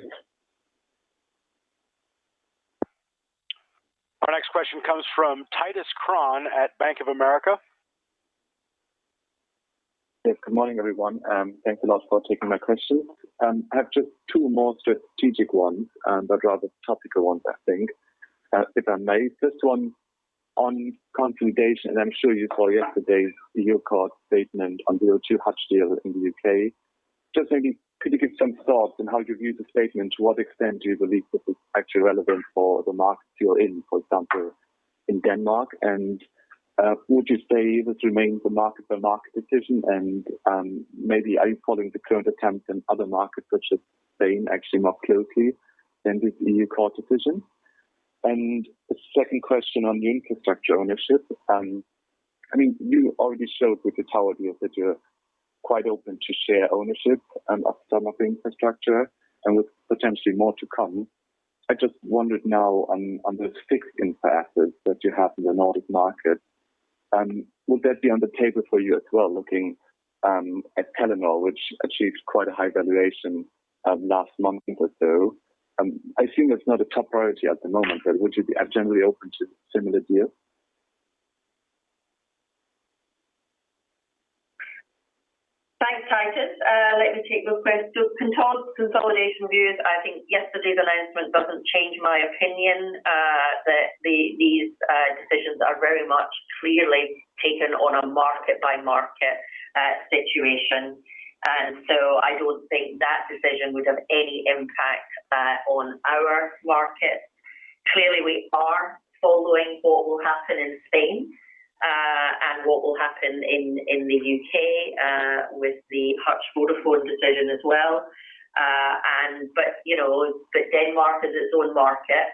Our next question comes from Titus Krahn at Bank of America. Yes. Good morning, everyone. Thanks a lot for taking my questions. I have just two more strategic ones, but rather topical ones, I think. If I may, first one on consolidation. I'm sure you saw yesterday's EU court statement on the O2 Hutchison deal in the UK. Just maybe could you give some thoughts on how you view the statement? To what extent do you believe this is actually relevant for the markets you're in, for example, in Denmark? And would you say this remains a market-by-market decision? And maybe are you following the current attempts in other markets such as Spain, actually more closely than this EU court decision? The second question on the infrastructure ownership, I mean, you already showed with the Tower deal that you're quite open to share ownership of some of the infrastructure and with potentially more to come. I just wondered now on those fixed infra assets that you have in the Nordic market, would that be on the table for you as well, looking at Telenor, which achieved quite a high valuation last month or so? I assume that's not a top priority at the moment, but would you be generally open to similar deal? Thanks, Titus. Consolidation views, I think yesterday's announcement doesn't change my opinion that these decisions are very much clearly taken on a market-by-market situation. I don't think that decision would have any impact on our markets. Clearly, we are following what will happen in Spain and what will happen in the U.K. with the Hutchison Vodafone decision as well. You know, Denmark is its own market.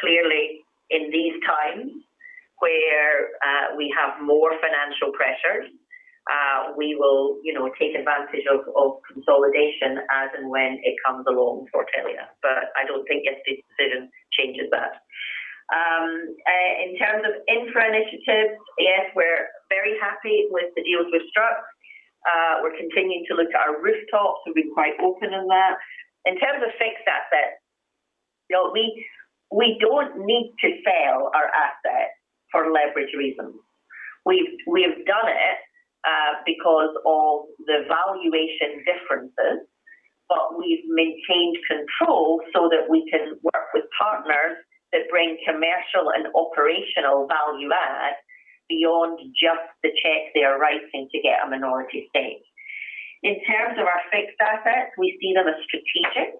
Clearly in these times where we have more financial pressures, we will, you know, take advantage of consolidation as and when it comes along for Telia. I don't think yesterday's decision changes that. In terms of infra initiatives, yes, we're very happy with the deals we've struck. We're continuing to look at our rooftops. We've been quite open in that. In terms of fixed assets, you know, we don't need to sell our assets for leverage reasons. We've done it because of the valuation differences, but we've maintained control so that we can work with partners that bring commercial and operational value add beyond just the check they are writing to get a minority stake. In terms of our fixed assets, we see them as strategic.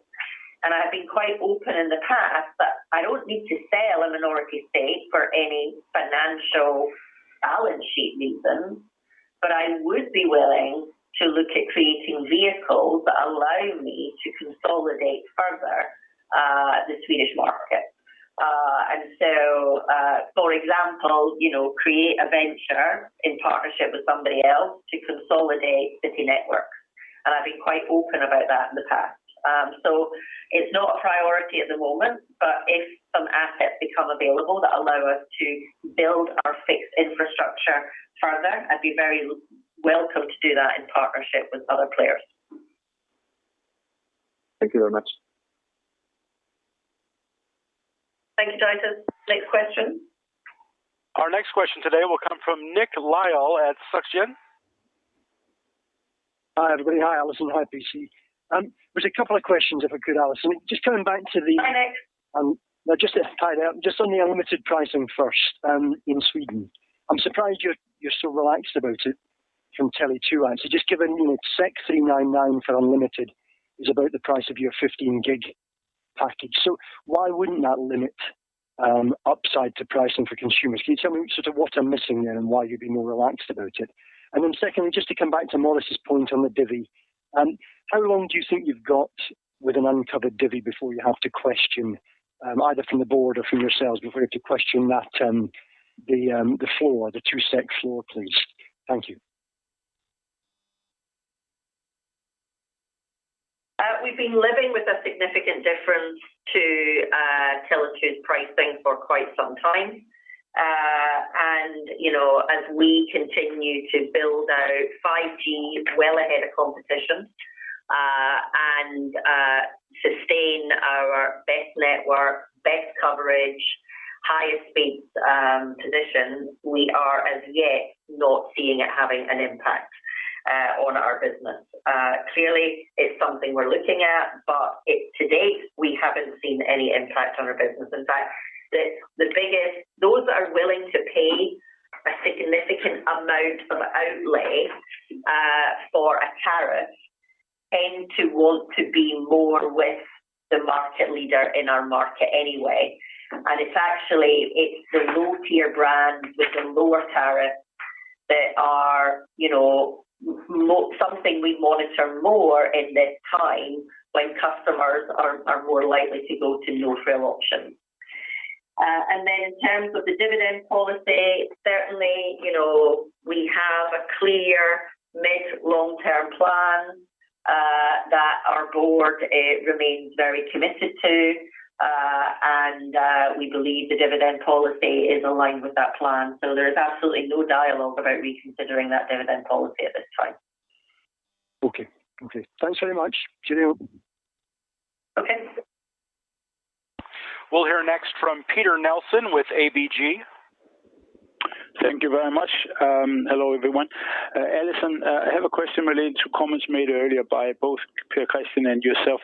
I've been quite open in the past that I don't need to sell a minority stake for any financial balance sheet reasons. I would be willing to look at creating vehicles that allow me to consolidate further the Swedish market. For example, you know, create a venture in partnership with somebody else to consolidate city network. I've been quite open about that in the past. It's not a priority at the moment. If some assets become available that allow us to build our fixed infrastructure further, I'd be very welcome to do that in partnership with other players. Thank you very much. Thank you, Titus. Next question. Our next question today will come from Nick Lyall at Berenberg. Hi, everybody. Hi, Allison. Hi, PC. There's a couple of questions, if I could, Allison. Hi, Nick. No, just to tie down. Just on the unlimited pricing first, in Sweden, I'm surprised you're so relaxed about it from Tele2. Just given, you know, 399 for unlimited is about the price of your 15 gig package. So why wouldn't that limit upside to pricing for consumers? Can you tell me sort of what I'm missing there and why you'd be more relaxed about it? Then secondly, just to come back to Maurice's point on the divvy, how long do you think you've got with an uncovered divvy before you have to question, either from the board or from yourselves before you have to question that, the floor, the 2 SEK floor, please? Thank you. We've been living with a significant difference to Tele2's pricing for quite some time. You know, as we continue to build out 5G well ahead of competition, sustain our best network, best coverage, highest speeds, positions, we are as yet not seeing it having an impact on our business. Clearly it's something we're looking at, but to date, we haven't seen any impact on our business. In fact, those that are willing to pay a significant amount of outlay for a tariff tend to want to be more with the market leader in our market anyway. It's actually the low-tier brands with the lower tariffs that are, you know, something we monitor more in this time when customers are more likely to go to no frill options. In terms of the dividend policy, certainly, you know, we have a clear mid long-term plan that our board remains very committed to. We believe the dividend policy is aligned with that plan. There is absolutely no dialogue about reconsidering that dividend policy at this time. Okay. Thanks very much. Cheerio. Okay. We'll hear next from Peter Nielsen with ABG. Thank you very much. Hello, everyone. Allison, I have a question related to comments made earlier by both Per Christian and yourself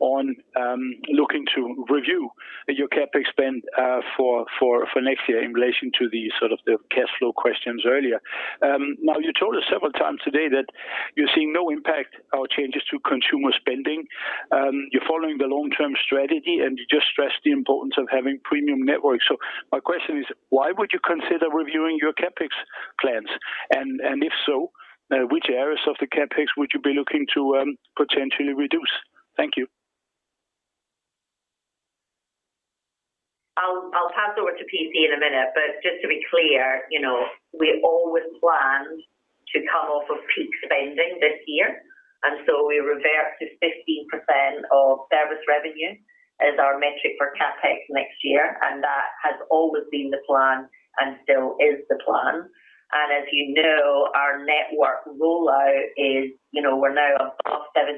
on looking to review your CapEx spend for next year in relation to the sort of the cash flow questions earlier. Now, you told us several times today that you're seeing no impact or changes to consumer spending. You're following the long-term strategy, and you just stressed the importance of having premium network. My question is, why would you consider reviewing your CapEx plans? And if so, which areas of the CapEx would you be looking to potentially reduce? Thank you. Per Christian Mørland in a minute, but just to be clear, you know, we always planned to come off of peak spending this year, and so we revert to 15% of service revenue as our metric for CapEx next year, and that has always been the plan and still is the plan. As you know, our network rollout is, you know, we're now above 70%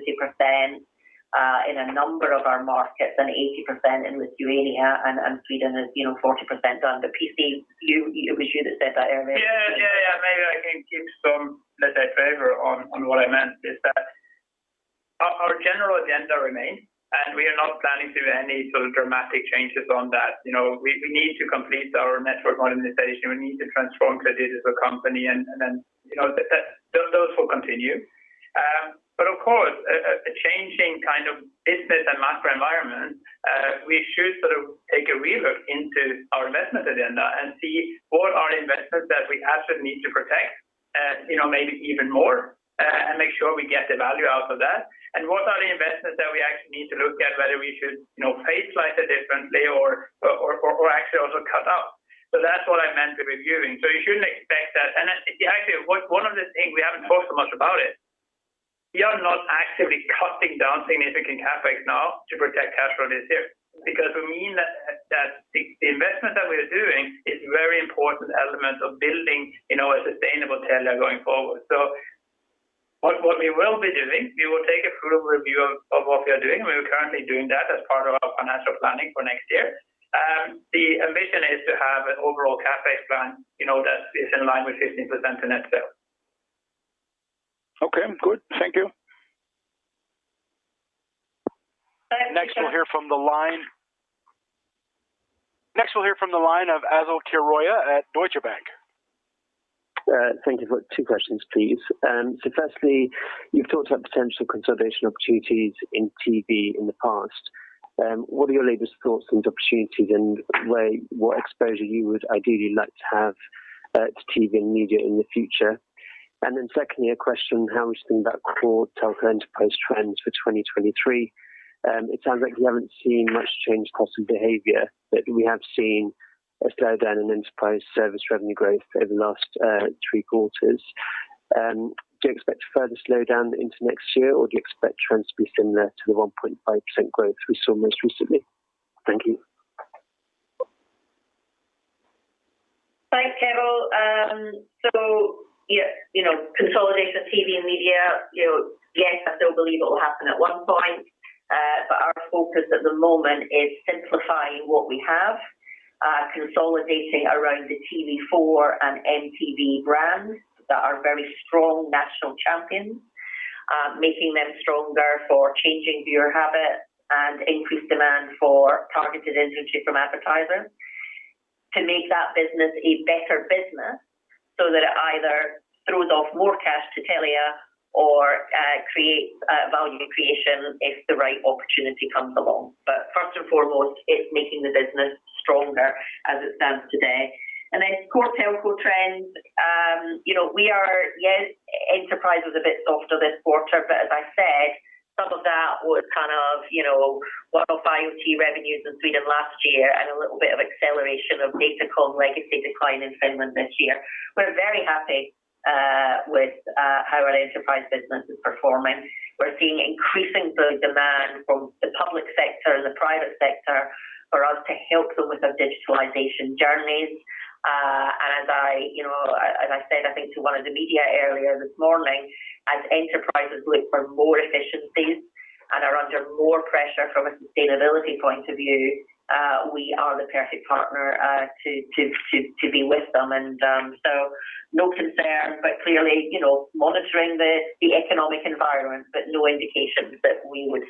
in a number of our markets and 80% in Lithuania and Sweden is, you know, 40% done. Per Christian Mørland, it was you that said that earlier. Yeah. Maybe I can give some little flavor on what I meant is that our general agenda remains, and we are not planning to do any sort of dramatic changes on that. You know, we need to complete our network modernization. We need to transform Telia as a company and then, you know, that those will continue. But of course, a changing kind of business and macro environment, we should sort of take a re-look into our investment agenda and see what are the investments that we actually need to protect, you know, maybe even more, and make sure we get the value out of that. What are the investments that we actually need to look at whether we should, you know, pace slightly differently or actually also cut out. That's what I meant the reviewing. You shouldn't expect that. Actually one of the things we haven't talked so much about it, we are not actively cutting down significant CapEx now to protect cash flow this year. Because we mean that the investment that we are doing is very important element of building, you know, a sustainable Telia going forward. What we will be doing, we will take a full review of what we are doing, and we are currently doing that as part of our financial planning for next year. The ambition is to have an overall CapEx plan, you know, that is in line with 15% of net sales. Okay, good. Thank you. Thank you. Next, we'll hear from the line of Keval Khiroya at Deutsche Bank. Thank you for two questions, please. Firstly, you've talked about potential consolidation opportunities in TV in the past. What are your latest thoughts on the opportunities and what exposure you would ideally like to have to TV and media in the future? Secondly, a question, how we think about core telco enterprise trends for 2023. It sounds like you haven't seen much change in customer behavior, but we have seen a slowdown in enterprise service revenue growth over the last three quarters. Do you expect further slowdown into next year, or do you expect trends to be similar to the 1.5% growth we saw most recently? Thank you. Thanks, Keval Khiroya. Yeah, you know, consolidate the TV and media. You know, yes, I still believe it will happen at one point. Our focus at the moment is simplifying what we have, consolidating around the TV4 and MTV brands that are very strong national champions. Making them stronger for changing viewer habits and increased demand for targeted inventory from advertisers to make that business a better business so that it either throws off more cash to Telia or creates value creation if the right opportunity comes along. First and foremost, it's making the business stronger as it stands today. Core telco trends, you know, enterprise was a bit softer this quarter, but as I said, some of that was kind of, you know, one-off IoT revenues in Sweden last year and a little bit of acceleration of Datacom legacy decline in Finland this year. We're very happy with how our enterprise business is performing. We're seeing increasing both demand from the public sector and the private sector for us to help them with their digitalization journeys. As I, you know, as I said, I think to one of the media earlier this morning, as enterprises look for more efficiencies and are under more pressure from a sustainability point of view, we are the perfect partner to be with them. No concern, but clearly, you know, monitoring the economic environment, but no indications that we would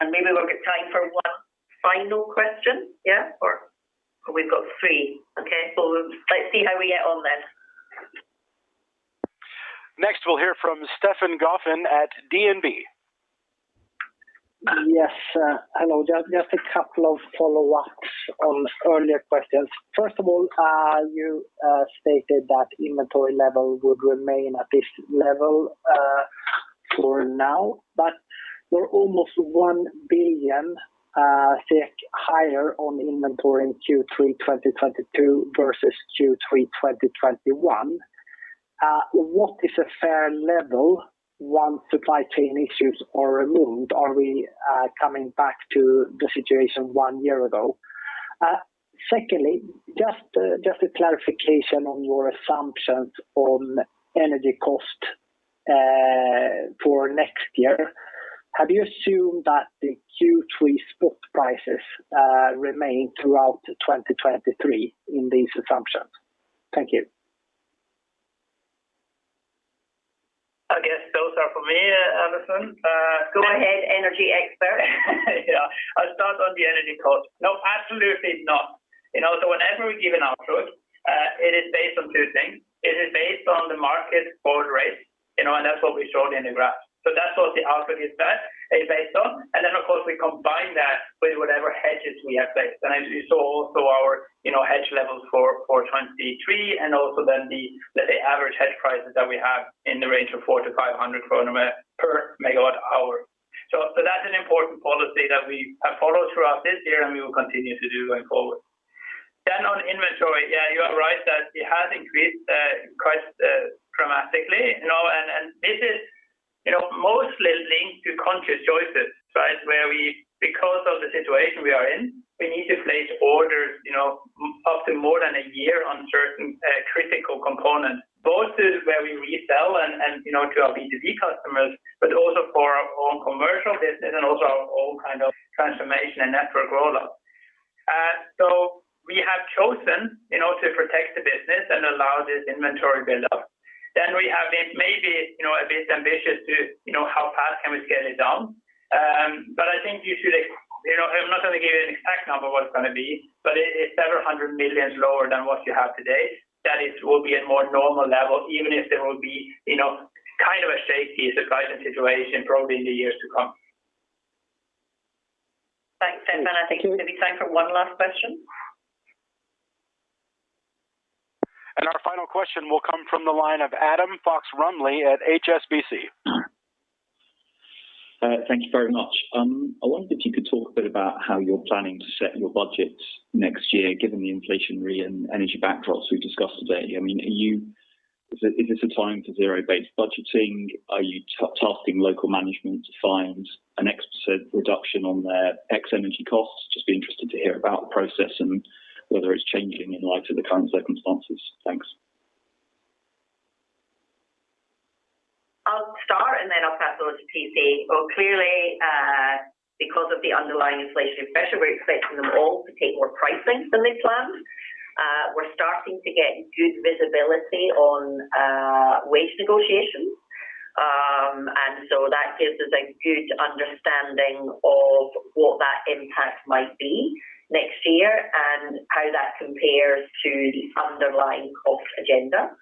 slip next year. Thanks so much. Maybe we'll get time for one final question. Yeah? We've got three. Okay. Well, let's see how we get on then. Next, we'll hear from Stefan Gauffin at DNB. Yes. Hello. Just a couple of follow-ups on earlier questions. First of all, you stated that inventory level would remain at this level for now, but you're almost 1 billion higher on inventory in Q3 2022 versus Q3 2021. What is a fair level once supply chain issues are removed? Are we coming back to the situation one year ago? Secondly, just a clarification on your assumptions on energy cost for next year. Have you assumed that the Q3 spot prices remain throughout 2023 in these assumptions? Thank you. I guess those are for me, Allison. Go ahead, energy expert. Yeah. I'll start on the energy cost. No, absolutely not. You know, so whenever we give an outlook, it is based on two things. It is based on the market forward rate, you know, and that's what we showed in the graph. So that's what the outlook is that is based on. Then, of course, we combine that with whatever hedges we have placed. As you saw also our, you know, hedge levels for 2023 and also then the average hedge prices that we have in the range of 400-500 kronor per megawatt hour. That's an important policy that we have followed throughout this year, and we will continue to do going forward. On inventory, yeah, you are right that it has increased quite dramatically, you know, and this is, you know, mostly linked to conscious choices, right? Because of the situation we are in, we need to place orders, you know, often more than a year on certain critical components, both to where we resell and, you know, to our B2B customers, but also for our own commercial business and also our own kind of transformation and network rollout. We have chosen, you know, to protect the business and allow this inventory build-up. We have been maybe, you know, a bit ambitious to, you know, how fast can we scale it down. I think you should, you know, I'm not gonna give you an exact number what it's gonna be, but it's SEK several hundred million lower than what you have today. That is, will be at more normal level, even if there will be, you know, kind of a safety supply chain situation probably in the years to come. Thanks, Stefan Gauffin. I think there'll be time for one last question. Our final question will come from the line of Adam Fox-Rumley at HSBC. Thank you very much. I wonder if you could talk a bit about how you're planning to set your budgets next year, given the inflationary and energy backdrops we've discussed today. I mean, is this a time for zero-based budgeting? Are you tasking local management to find an X% reduction on their X energy costs? Just be interested to hear about the process and whether it's changing in light of the current circumstances. Thanks. I'll start, and then I'll pass over to PC. Well, clearly, because of the underlying inflationary pressure, we're expecting them all to take more pricing than they planned. We're starting to get good visibility on wage negotiations. That gives us a good understanding of what that impact might be next year and how that compares to the underlying cost agenda.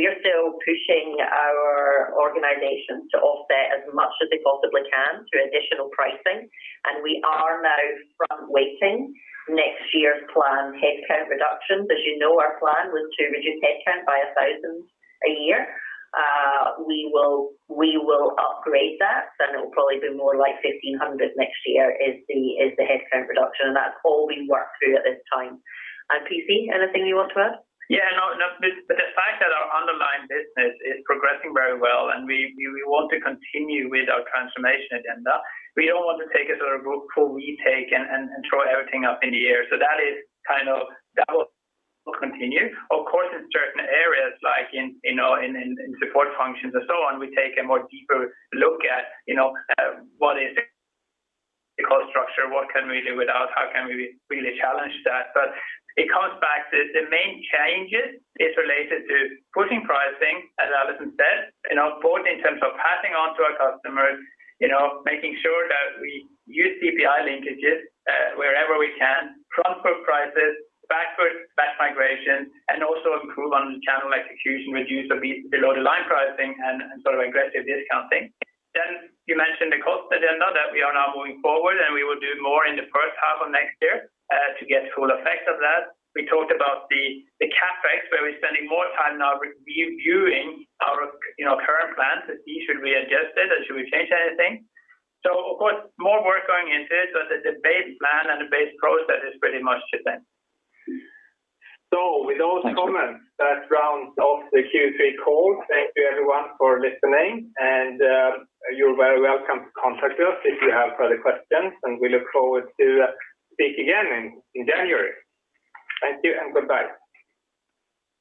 We're still pushing our organization to offset as much as they possibly can through additional pricing. We are now front-loading next year's planned headcount reductions. As you know, our plan was to reduce headcount by 1,000 a year. We will upgrade that, and it will probably be more like 1,500 next year is the headcount reduction. That's all we work through at this time. PC, anything you want to add? Yeah. No, no. The fact that our underlying business is progressing very well, and we want to continue with our transformation agenda. We don't want to take a sort of full retake and throw everything up in the air. That will continue. Of course, in certain areas like, you know, support functions and so on, we take a more deeper look at, you know, what is the cost structure, what can we live without, how can we really challenge that. It comes back to the main changes is related to pushing pricing, as Allison said. You know, both in terms of passing on to our customers, you know, making sure that we use CPI linkages wherever we can, transfer prices, back-book price migration, and also improve on channel execution, reduce the below the line pricing and sort of aggressive discounting. You mentioned the cost agenda that we are now moving forward, and we will do more in the first half of next year to get full effect of that. We talked about the CapEx, where we're spending more time now reviewing our, you know, current plans to see should we adjust it or should we change anything. Of course, more work going into it, but the base plan and the base process is pretty much the same. Thank you. With those comments, that rounds off the Q3 call. Thank you everyone for listening, and you're very welcome to contact us if you have further questions, and we look forward to speak again in January. Thank you and goodbye.